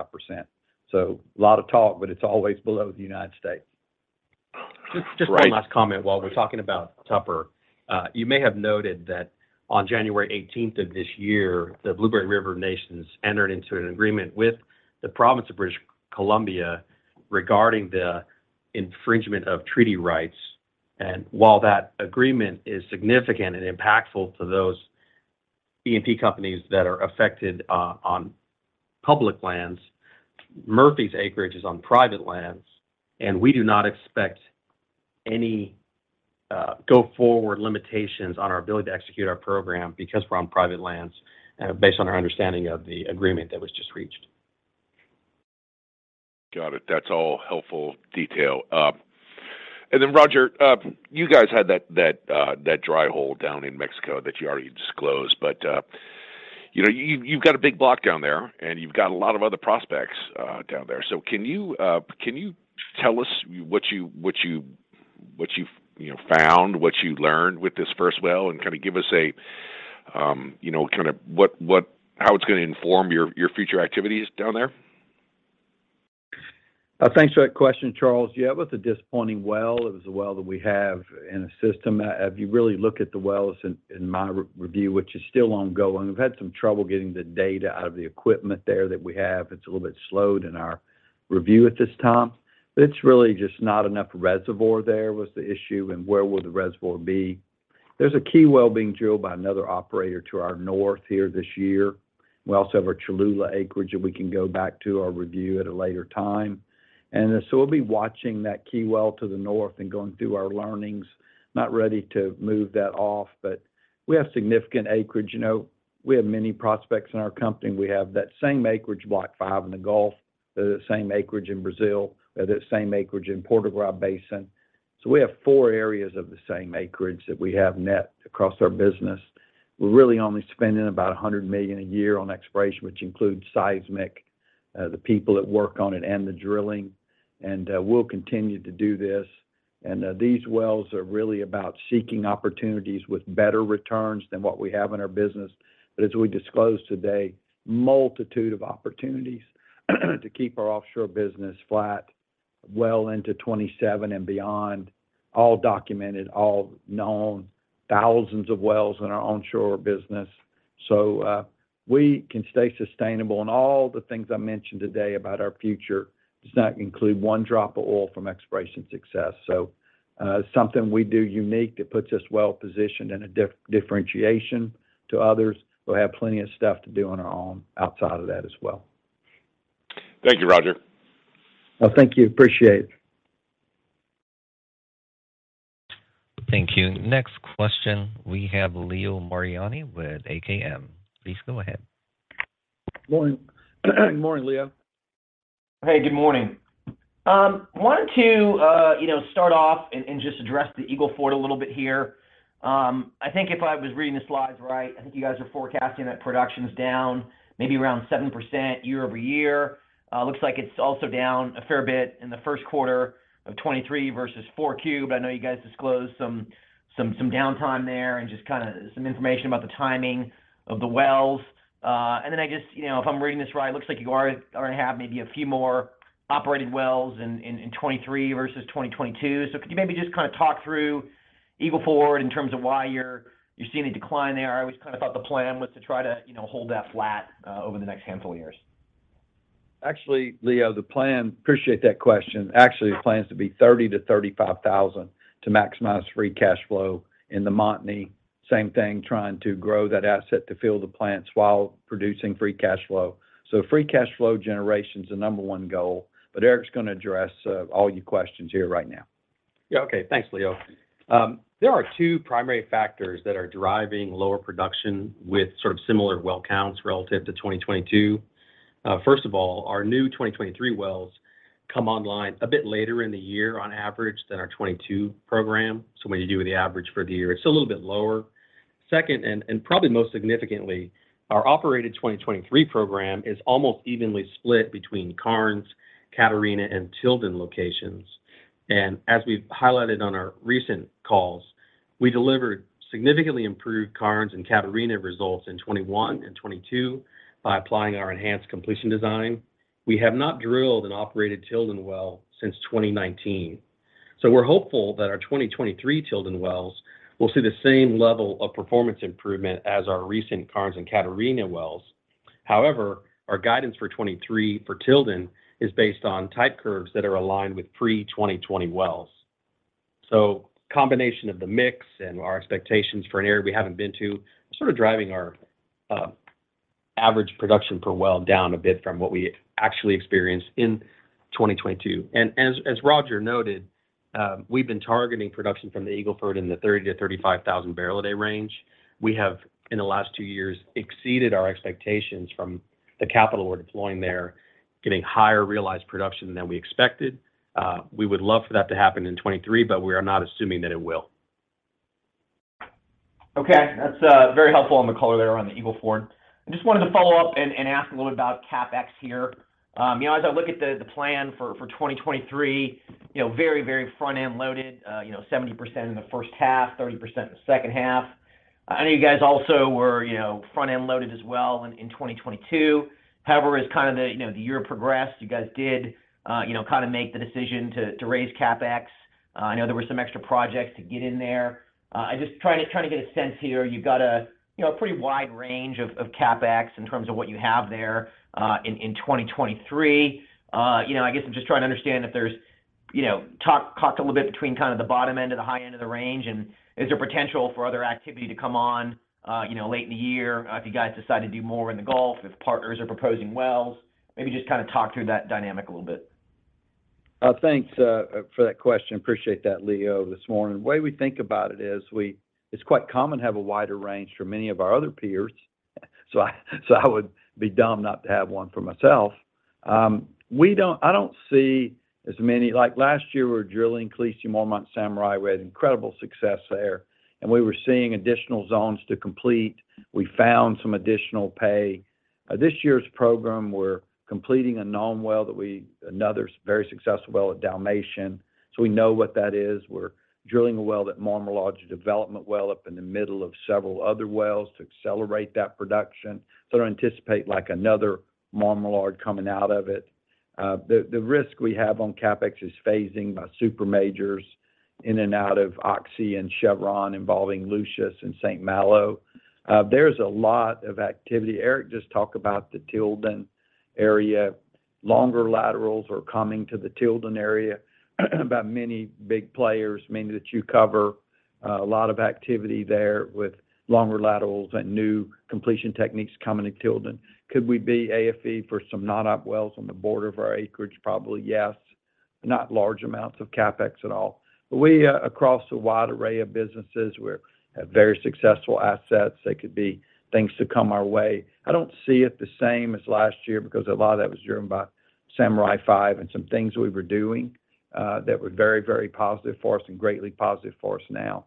A lot of talk, but it's always below the United States. Great. Just one last comment while we're talking about Tupper. You may have noted that on January eighteenth of this year, the Blueberry River Nations entered into an agreement with the province of British Columbia regarding the infringement of treaty rights. While that agreement is significant and impactful to those E&P companies that are affected, on public lands, Murphy's acreage is on private lands, and we do not expect any go forward limitations on our ability to execute our program because we're on private lands, based on our understanding of the agreement that was just reached. Got it. That's all helpful detail. Roger, you guys had that dry hole down in Mexico that you already disclosed, you know, you've got a big block down there and you've got a lot of other prospects down there. Can you tell us what you. What you've, you know, found, what you learned with this first well, and kind of give us a, you know, kind of what how it's gonna inform your future activities down there? Thanks for that question, Charles. Yeah, it was a disappointing well. It was a well that we have in a system. If you really look at the wells in my re-review, which is still ongoing, we've had some trouble getting the data out of the equipment there that we have. It's a little bit slowed in our review at this time. It's really just not enough reservoir there was the issue, and where will the reservoir be? There's a key well being drilled by another operator to our north here this year. We also have our Cholula acreage that we can go back to our review at a later time. We'll be watching that key well to the north and going through our learnings. Not ready to move that off, but we have significant acreage. You know, we have many prospects in our company. We have that same acreage, Block 5 in the Gulf, the same acreage in Brazil, we have that same acreage in Sergipe-Alagoas Basin. We have four areas of the same acreage that we have net across our business. We're really only spending about $100 million a year on exploration, which includes seismic, the people that work on it, and the drilling. We'll continue to do this. These wells are really about seeking opportunities with better returns than what we have in our business. As we disclosed today, multitude of opportunities to keep our offshore business flat well into 2027 and beyond, all documented, all known, thousands of wells in our onshore business. We can stay sustainable in all the things I mentioned today about our future. Does not include one drop of oil from exploration success. Something we do unique that puts us well-positioned in a differentiation to others. We'll have plenty of stuff to do on our own outside of that as well. Thank you, Roger. Well, thank you. Appreciate it. Thank you. Next question, we have Leo Mariani with AKM. Please go ahead. Morning. Morning, Leo. Hey, good morning. Wanted to, you know, start off and just address the Eagle Ford a little bit here. I think if I was reading the slides right, you guys are forecasting that production's down maybe around 7% year-over-year. Looks like it's also down a fair bit in the Q1 of 2023 versus Q4. I know you guys disclosed some downtime there and just kinda some information about the timing of the wells. I just, you know, if I'm reading this right, looks like you are gonna have maybe a few more operated wells in 2023 versus 2022. Could you maybe just kinda talk through Eagle Ford in terms of why you're seeing a decline there? I always kind of thought the plan was to try to, you know, hold that flat, over the next handful of years. Actually, Leo. Appreciate that question. Actually, the plan is to be 30,000-35,000 to maximize free cash flow in the Montney. Same thing, trying to grow that asset to fill the plants while producing free cash flow. Free cash flow generation's the number one goal. Eric's gonna address all your questions here right now. Yeah. Okay. Thanks, Leo. There are 2 primary factors that are driving lower production with sort of similar well counts relative to 2022. First of all, our new 2023 wells come online a bit later in the year on average than our '22 program. When you do the average for the year, it's a little bit lower. Second, and probably most significantly, our operated 2023 program is almost evenly split between Karnes, Catarina, and Tilden locations. As we've highlighted on our recent calls, we delivered significantly improved Karnes and Catarina results in '21 and '22 by applying our enhanced completion design. We have not drilled an operated Tilden well since 2019. We're hopeful that our 2023 Tilden wells will see the same level of performance improvement as our recent Karnes and Catarina wells. However, our guidance for 2023 for Tilden is based on type curves that are aligned with pre-2020 wells. Combination of the mix and our expectations for an area we haven't been to, sort of driving our average production per well down a bit from what we actually experienced in 2022. As Roger noted, we've been targeting production from the Eagle Ford in the 30,000 to 35,000 barrel a day range. We have, in the last two years, exceeded our expectations from the capital we're deploying there, getting higher realized production than we expected. We would love for that to happen in 2023, but we are not assuming that it will. Okay. That's very helpful on the color there on the Eagle Ford. I just wanted to follow up and ask a little bit about CapEx here. You know, as I look at the plan for 2023, you know, very front-end loaded, you know, 70% in the H1, 30% in the H2. I know you guys also were, you know, front-end loaded as well in 2022. As kind of the, you know, the year progressed, you guys did, you know, kind of make the decision to raise CapEx. I know there were some extra projects to get in there. I just trying to get a sense here. You've got a, you know, a pretty wide range of CapEx in terms of what you have there, in 2023. You know, I guess I'm just trying to understand if there's, you know, talk a little bit between kind of the bottom end and the high end of the range, and is there potential for other activity to come on, you know, late in the year, if you guys decide to do more in the Gulf, if partners are proposing wells? Maybe just kind of talk through that dynamic a little bit. Thanks for that question. Appreciate that, Leo, this morning. The way we think about it is it's quite common to have a wider range for many of our other peers, so I would be dumb not to have one for myself. I don't see as many... Like, last year, we were drilling Khaleesi, Mormont, Samurai. We had incredible success there, and we were seeing additional zones to complete. We found some additional pay. This year's program, we're completing a non-well that another very successful well at Dalmatian. We know what that is. We're drilling a well at Marmalard, a development well up in the middle of several other wells to accelerate that production. I don't anticipate, like, another Marmalard coming out of it. The risk we have on CapEx is phasing by super majors in and out of Oxy and Chevron involving Lucius and St. Malo. There's a lot of activity. Eric just talked about the Tilden area. Longer laterals are coming to the Tilden area by many big players, meaning that you cover a lot of activity there with longer laterals and new completion techniques coming to Tilden. Could we be AFE for some non-op wells on the border of our acreage? Probably, yes. Not large amounts of CapEx at all. We have across a wide array of businesses, very successful assets. There could be things to come our way. I don't see it the same as last year because a lot of that was driven by Samurai 5 and some things we were doing, that were very, very positive for us and greatly positive for us now.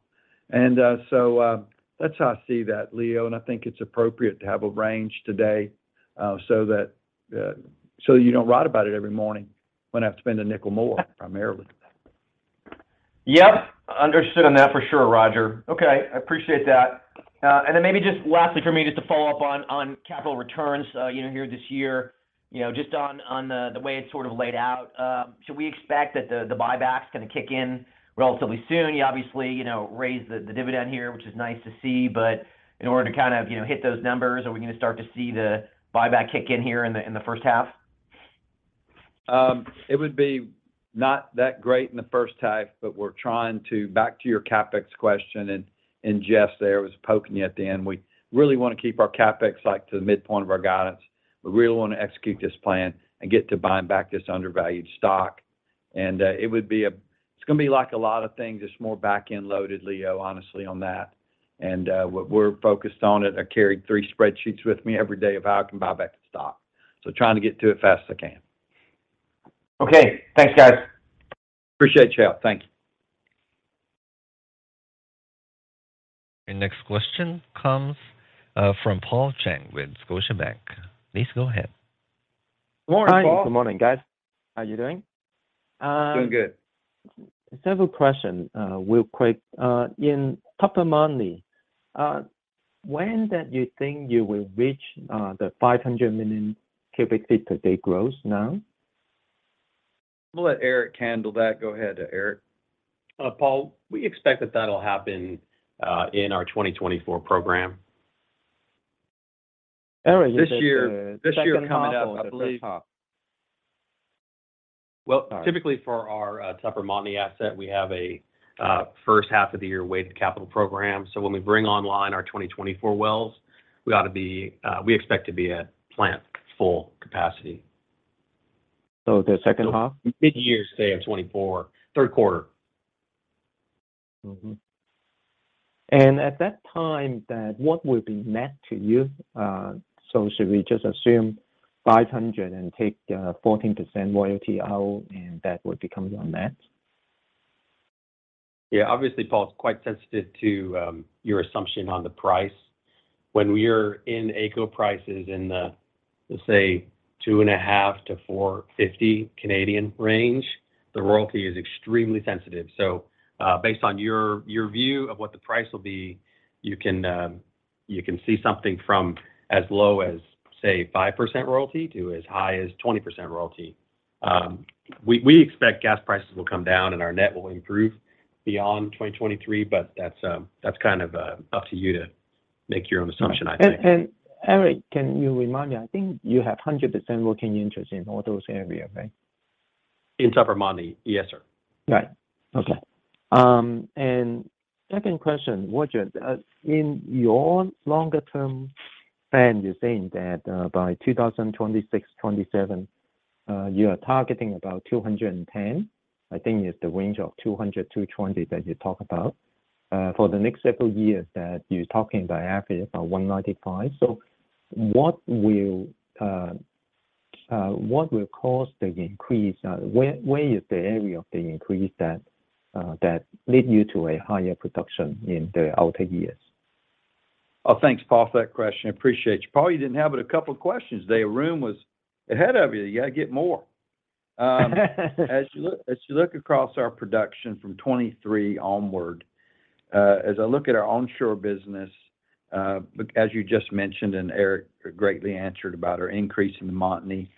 That's how I see that, Leo, and I think it's appropriate to have a range today, so that you don't write about it every morning when I have to spend a nickel more primarily. Yep. Understood on that for sure, Roger. Okay. I appreciate that. Then maybe just lastly for me just to follow up on capital returns, you know, here this year, you know, just on the way it's sort of laid out. Should we expect that the buyback's gonna kick in relatively soon? You obviously, you know, raised the dividend here, which is nice to see. In order to kind of, you know, hit those numbers, are we gonna start to see the buyback kick in here in the, in the H1? It would be not that great in the H1. Back to your CapEx question, and Jeff there was poking you at the end. We really wanna keep our CapEx, like, to the midpoint of our guidance. We really wanna execute this plan and get to buying back this undervalued stock. It's gonna be like a lot of things. It's more back-end loaded, Leo, honestly, on that. What we're focused on it. I carried 3 spreadsheets with me every day of how I can buy back the stock. Trying to get to it fast as I can. Okay. Thanks, guys. Appreciate you. Thank you. Our next question comes from Paul Cheng with Scotiabank. Please go ahead. Morning, Paul. Hi. Good morning, guys. How you doing? Doing good. Several question, real quick. In Tupper Montney, when that you think you will reach, the 500 million cubic feet per day growth now? I'm gonna let Eric handle that. Go ahead, Eric. Paul, we expect that that'll happen in our 2024 program. Eric, you said, H2 or the H1? This year coming up, I believe. Sorry. Typically for our Tupper Montney asset, we have a H1 of the year weighted capital program. When we bring online our 2024 wells, we ought to be, we expect to be at plant full capacity. The H2? Midyear, say, of 2024, Q3. Mm-hmm. At that time, that what will be net to you? Should we just assume $500 and take 14% royalty out, and that would become your net? Obviously, Paul, it's quite sensitive to your assumption on the price. When we're in AECO prices in the, let's say, 2.50 CAD to 4.50 CAD range, the royalty is extremely sensitive. Based on your view of what the price will be, you can see something from as low as, say, 5% royalty to as high as 20% royalty. We expect gas prices will come down, and our net will improve beyond 2023, that's kind of up to you to make your own assumption, I think. Eric, can you remind me? I think you have 100% working interest in all those area, right? In Tupper Montney, yes, sir. Right. Okay. Second question, Roger, in your longer term plan, you're saying that by 2026, 2027, you are targeting about 210. I think it's the range of 200-220 that you talk about. For the next several years that you're talking by AFE about 195. What will cause the increase? Where is the area of the increase that lead you to a higher production in the outer years? Thanks, Paul, for that question. Appreciate you. Paul, you didn't have but a couple of questions today. Arun was ahead of you. You gotta get more. As you look across our production from 2023 onward, as I look at our onshore business, as you just mentioned, and Eric greatly answered about our increase in the Montney.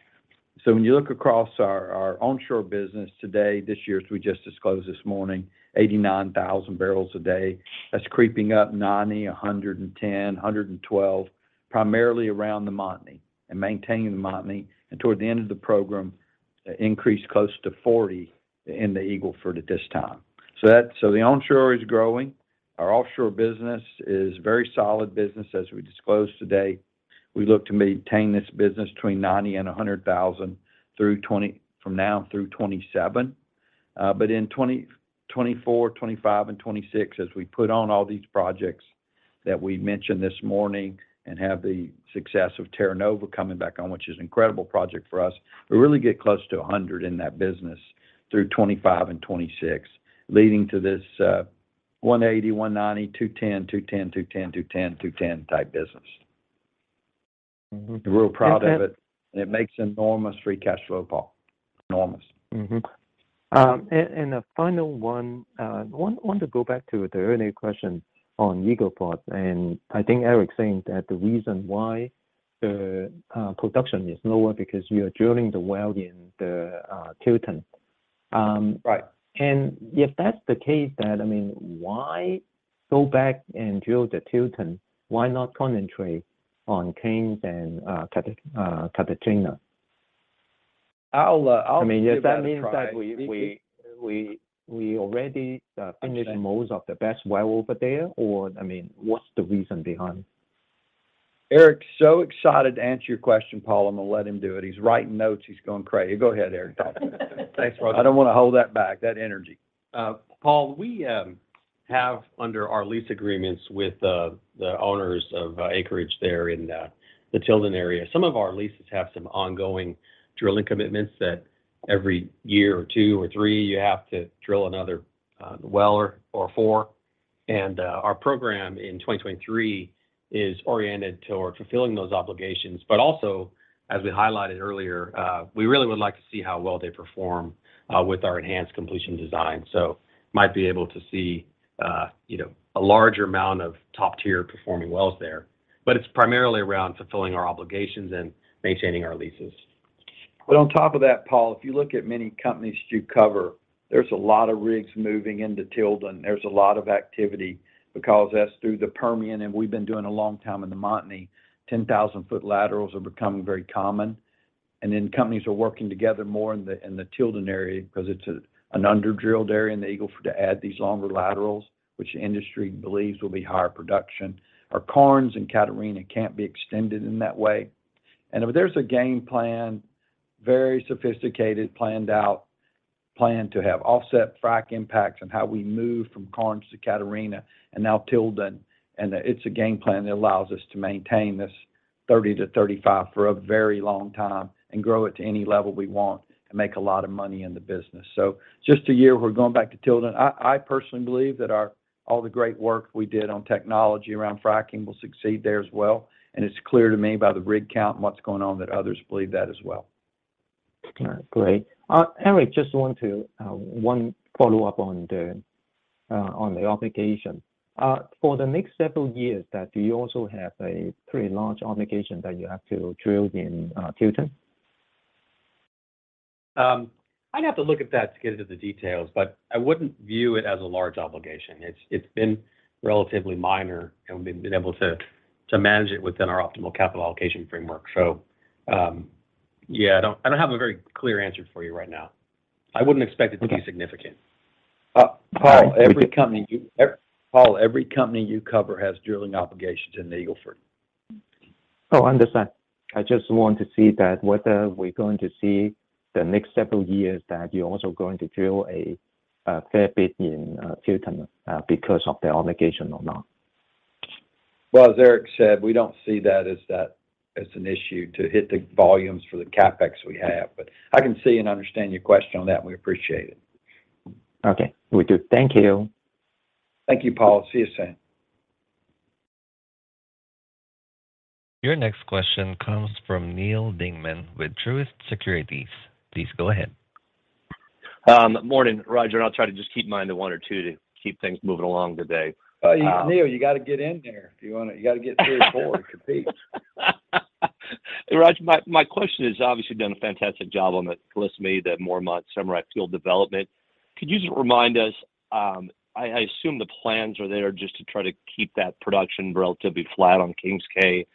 When you look across our onshore business today, this year, as we just disclosed this morning, 89,000 barrels a day. That's creeping up 90, 110, 112, primarily around the Montney and maintaining the Montney, and toward the end of the program, increase close to 40 in the Eagle Ford at this time. The onshore is growing. Our offshore business is very solid business, as we disclosed today. We look to maintain this business between 90,000 and 100,000 from now through 2027. In 2024, 2025, and 2026, as we put on all these projects that we mentioned this morning and have the success of Terra Nova coming back on, which is an incredible project for us, we really get close to 100 in that business through 2025 and 2026, leading to this 180, 190, 210, 210, 210 type business. Mm-hmm. We're real proud of it. Okay. It makes enormous free cash flow, Paul. Enormous. A final one, I want to go back to the earlier question on Eagle Ford. I think Eric's saying that the reason why the production is lower because you're drilling the well in the Tilden. Right. If that's the case, then, I mean, why go back and drill the Tilden? Why not concentrate on Kings and Catarina? I'll give that a try. I mean, if that means that we already finished most of the best well over there, or, I mean, what's the reason behind? Eric's so excited to answer your question, Paul. I'm gonna let him do it. He's writing notes. He's going crazy. Go ahead, Eric. Thanks, Roger. I don't wanna hold that back, that energy. Paul, we have under our lease agreements with the owners of acreage there in the Tilden area. Some of our leases have some ongoing drilling commitments that every year or 2 or 3 you have to drill another well or 4. Our program in 2023 is oriented toward fulfilling those obligations. Also, as we highlighted earlier, we really would like to see how well they perform with our enhanced completion design. Might be able to see, you know, a larger amount of top-tier performing wells there. It's primarily around fulfilling our obligations and maintaining our leases. On top of that, Paul, if you look at many companies that you cover, there's a lot of rigs moving into Tilden. There's a lot of activity because as through the Permian, and we've been doing a long time in the Montney, 10,000-foot laterals are becoming very common. Then companies are working together more in the Tilden area 'cause it's an under-drilled area in the Eagle Ford to add these longer laterals, which the industry believes will be higher production. Our Karnes and Catarina can't be extended in that way. If there's a game plan, very sophisticated, planned out plan to have offset frack impacts on how we move from Karnes to Catarina and now Tilden, it's a game plan that allows us to maintain this 30 to 35 for a very long time and grow it to any level we want and make a lot of money in the business. Just a year, we're going back to Tilden. I personally believe that all the great work we did on technology around fracking will succeed there as well. It's clear to me by the rig count and what's going on that others believe that as well. All right. Great. Eric, just want to, one follow-up on the, on the obligation. For the next several years that you also have a pretty large obligation that you have to drill in, Tilden? I'd have to look at that to get into the details, but I wouldn't view it as a large obligation. It's been relatively minor, and we've been able to manage it within our optimal capital allocation framework. Yeah, I don't, I don't have a very clear answer for you right now. I wouldn't expect it to be significant. All right. Thank you. Paul, every company you cover has drilling obligations in the Eagle Ford. Understand. I just want to see that whether we're going to see the next several years that you're also going to drill a fair bit in, Tilden, because of the obligation or not? Well, as Eric said, we don't see that as an issue to hit the volumes for the CapEx we have. I can see and understand your question on that, and we appreciate it. Okay. Will do. Thank you. Thank you, Paul. See you soon. Your next question comes from Neal Dingmann with Truist Securities. Please go ahead. Morning, Roger. I'll try to just keep mine to one or two to keep things moving along today. Neal, you gotta get in there. You gotta get three or four to compete. Roger, my question is obviously you've done a fantastic job on the Khaleesi, the Mormont, Samurai field development. Could you just remind us, I assume the plans are there just to try to keep that production relatively flat on King's Quay?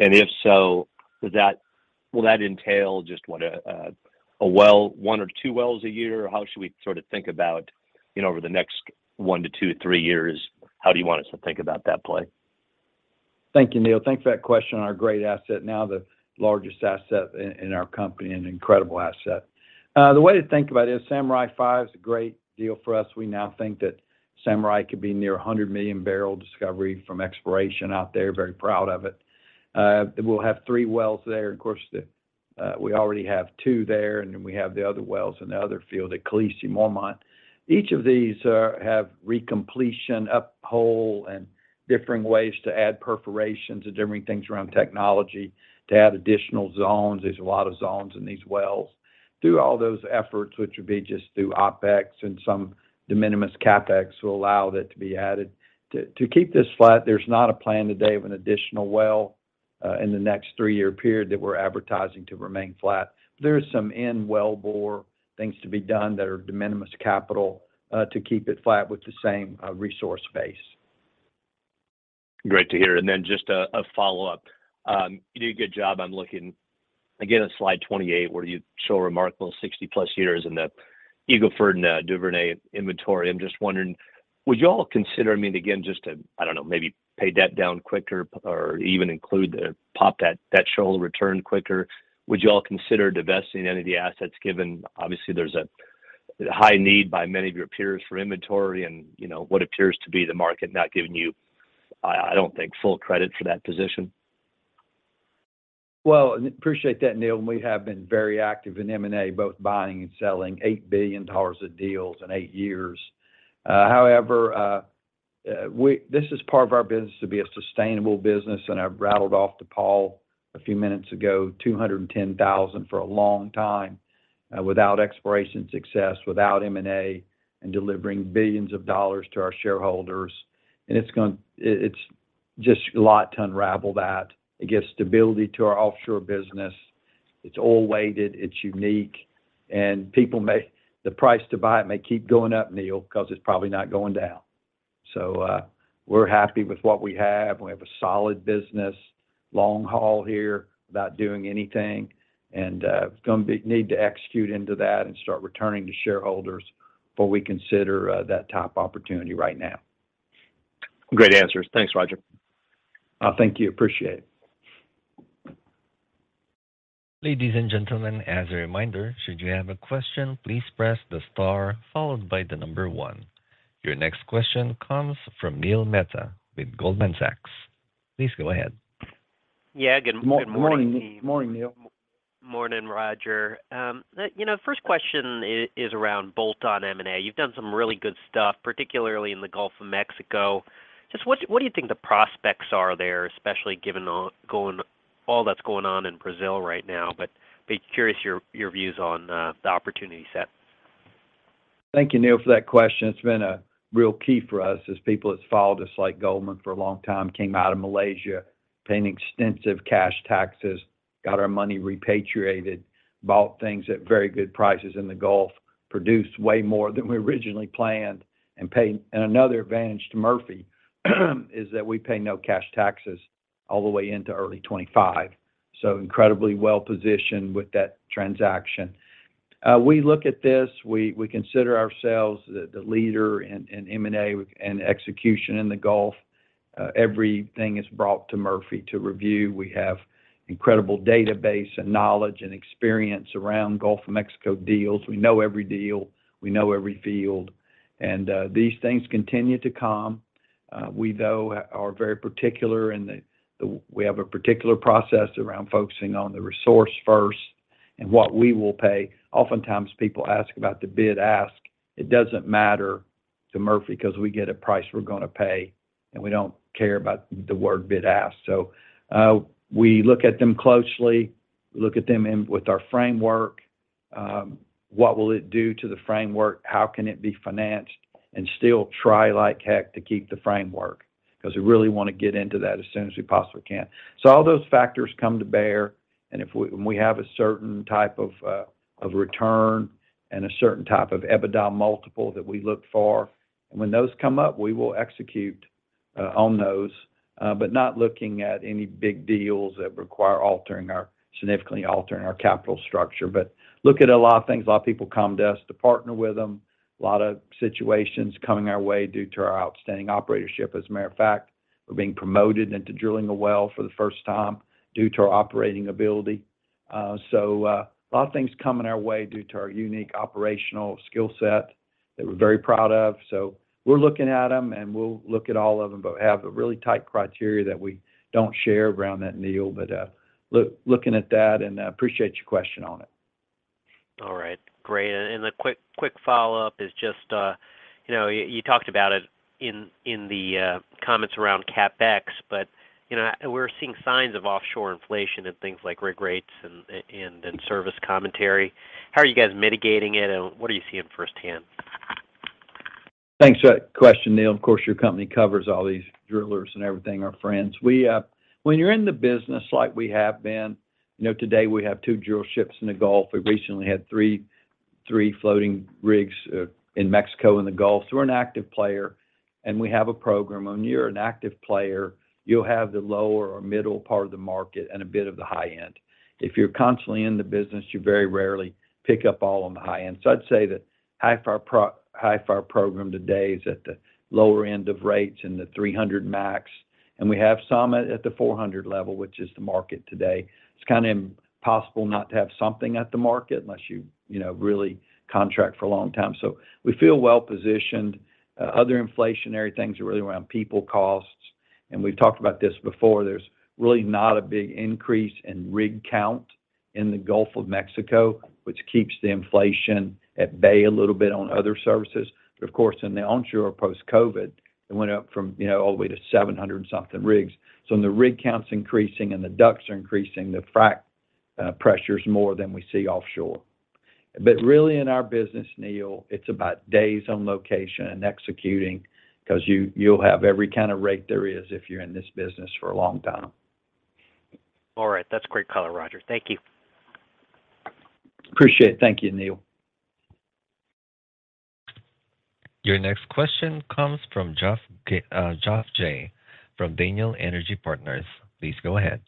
If so, will that entail just what, a well, one or two wells a year? How should we sort of think about, you know, over the next one to two to three years, how do you want us to think about that play? Thank you, Neal. Thanks for that question on our great asset, now the largest asset in our company and an incredible asset. The way to think about it is Samurai 5 is a great deal for us. We now think that Samurai could be near a 100-million-barrel discovery from exploration out there. Very proud of it. We'll have 3 wells there. Of course, we already have 2 there, and then we have the other wells in the other field at Khaleesi and Mormont. Each of these have recompletion, uphole, and differing ways to add perforations and differing things around technology to add additional zones. There's a lot of zones in these wells. Through all those efforts, which would be just through OpEx and some de minimis CapEx, will allow that to be added. To keep this flat, there's not a plan today of an additional well, in the next three-year period that we're advertising to remain flat. There is some in-wellbore things to be done that are de minimis capital, to keep it flat with the same, resource base. Great to hear. Just a follow-up. You do a good job. I'm looking again at slide 28, where you show a remarkable 60-plus years in the Eagle Ford and Duvernay inventory. I'm just wondering, would you all consider, I mean, again, just to, I don't know, maybe pay debt down quicker or even include the pop that show return quicker. Would you all consider divesting any of the assets given obviously there's a high need by many of your peers for inventory and, you know, what appears to be the market not giving you, I don't think, full credit for that position? Well, appreciate that, Neil. We have been very active in M&A, both buying and selling $8 billion of deals in 8 years. However, this is part of our business to be a sustainable business, and I've rattled off to Paul a few minutes ago, 210,000 for a long time, without exploration success, without M&A, and delivering billions of dollars to our shareholders. It's just a lot to unravel that. It gives stability to our offshore business. It's all weighted, it's unique, and people the price to buy it may keep going up, Neil, 'cause it's probably not going down. We're happy with what we have. We have a solid business, long haul here without doing anything, and need to execute into that and start returning to shareholders, but we consider that top opportunity right now. Great answers. Thanks, Roger. Thank you. Appreciate it. Ladies and gentlemen, as a reminder, should you have a question, please press the star followed by 1. Your next question comes from Neil Mehta with Goldman Sachs. Please go ahead. Yeah. Good morning. Morning, Neil. Morning, Roger. The, you know, first question is around bolt-on M&A. You've done some really good stuff, particularly in the Gulf of Mexico. Just what do you think the prospects are there, especially given all that's going on in Brazil right now, but be curious your views on the opportunity set. Thank you, Neil, for that question. It's been a real key for us as people that's followed us like Goldman for a long time, came out of Malaysia, paying extensive cash taxes, got our money repatriated, bought things at very good prices in the Gulf, produced way more than we originally planned, and paid... Another advantage to Murphy is that we pay no cash taxes all the way into early 25. Incredibly well-positioned with that transaction. We look at this. We consider ourselves the leader in M&A and execution in the Gulf. Everything is brought to Murphy to review. We have incredible database and knowledge and experience around Gulf of Mexico deals. We know every deal, we know every field, and these things continue to come. We though are very particular in the process around focusing on the resource first and what we will pay. Oftentimes people ask about the bid ask. It doesn't matter to Murphy 'cause we get a price we're gonna pay, and we don't care about the word bid ask. We look at them closely, look at them in with our framework, what will it do to the framework? How can it be financed? Still try like heck to keep the framework 'cause we really want to get into that as soon as we possibly can. All those factors come to bear, when we have a certain type of return and a certain type of EBITDA multiple that we look for, when those come up, we will execute on those. Not looking at any big deals that require altering our significantly altering our capital structure. Look at a lot of things. A lot of people come to us to partner with them. A lot of situations coming our way due to our outstanding operatorship. As a matter of fact, we're being promoted into drilling a well for the first time due to our operating ability. A lot of things coming our way due to our unique operational skill set that we're very proud of. We're looking at them, and we'll look at all of them, but have a really tight criteria that we don't share around that, Neil. Looking at that, and I appreciate your question on it. All right. Great. A quick follow-up is just, you know, you talked about it in the comments around CapEx. You know, we're seeing signs of offshore inflation and things like rig rates and service commentary. How are you guys mitigating it, and what are you seeing firsthand? Thanks for that question, Neil. Of course, your company covers all these drillers and everything, our friends. We, when you're in the business like we have been, you know, today we have 2 drill ships in the Gulf. We recently had 3 floating rigs in Mexico and the Gulf. We're an active player, and we have a program. When you're an active player, you'll have the lower or middle part of the market and a bit of the high end. If you're constantly in the business, you very rarely pick up all on the high end. I'd say that half of our program today is at the lower end of rates and the $300 max, and we have some at the $400 level, which is the market today. It's kinda impossible not to have something at the market unless you know, really contract for a long time. We feel well-positioned. Other inflationary things are really around people costs, and we've talked about this before. There's really not a big increase in rig count in the Gulf of Mexico, which keeps the inflation at bay a little bit on other services. Of course, in the onshore post-COVID, it went up from, you know, all the way to 700 and something rigs. When the rig count's increasing and the ducts are increasing, the frac pressure is more than we see offshore. Really in our business, Neil, it's about days on location and executing 'cause you'll have every kind of rate there is if you're in this business for a long time. All right. That's great color, Roger. Thank you. Appreciate it. Thank you, Neil. Your next question comes from Josh Jayne from Daniel Energy Partners. Please go ahead.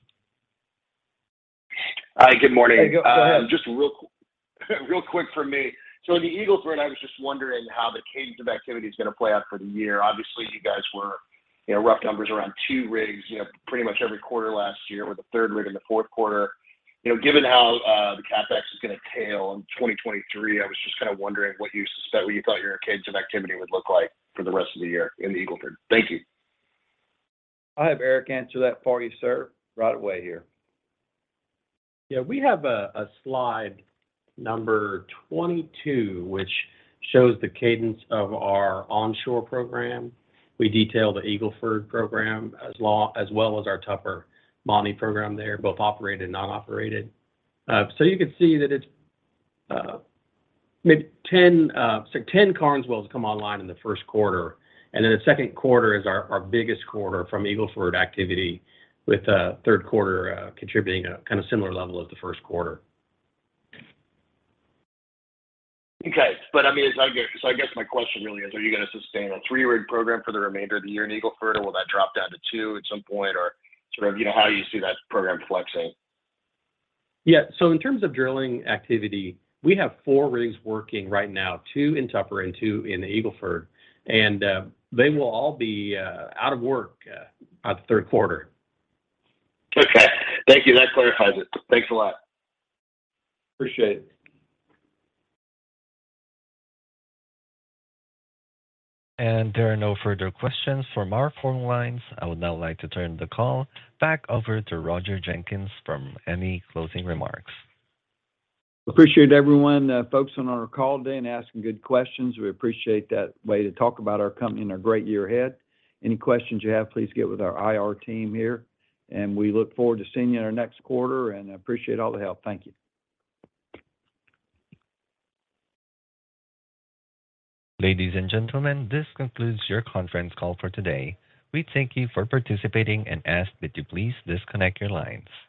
Hi, good morning. Hey, go ahead. Just real quick for me. In the Eagle Ford, I was just wondering how the cadence of activity is gonna play out for the year. Obviously, you guys were, you know, rough numbers around 2 rigs, you know, pretty much every quarter last year with the 3rd rig in the 4th quarter. You know, given how the CapEx is gonna tail in 2023, I was just kinda wondering what you suspect or what you thought your cadence of activity would look like for the rest of the year in the Eagle Ford. Thank you. I'll have Eric answer that for you, sir, right away here. Yeah. We have a slide number 22, which shows the cadence of our onshore program. We detail the Eagle Ford program as well as our Tupper Montney program there, both operated and non-operated. You can see that it's 10, so 10 Carnes wells come online in the Q1, and then the Q2 is our biggest quarter from Eagle Ford activity with Q3 contributing a kind of similar level as the Q1. Okay. I mean, it's like I guess my question really is, are you gonna sustain a 3-rig program for the remainder of the year in Eagle Ford, or will that drop down to 2 at some point? Sort of, you know, how you see that program flexing? In terms of drilling activity, we have 4 rigs working right now, 2 in Tupper and 2 in the Eagle Ford. They will all be out of work by the Q3. Okay. Thank you. That clarifies it. Thanks a lot. Appreciate it. There are no further questions from our phone lines. I would now like to turn the call back over to Roger Jenkins for any closing remarks. Appreciate everyone focusing on our call today and asking good questions. We appreciate that way to talk about our company and our great year ahead. Any questions you have, please get with our IR team here. We look forward to seeing you in our next quarter. I appreciate all the help. Thank you. Ladies and gentlemen, this concludes your conference call for today. We thank you for participating and ask that you please disconnect your lines.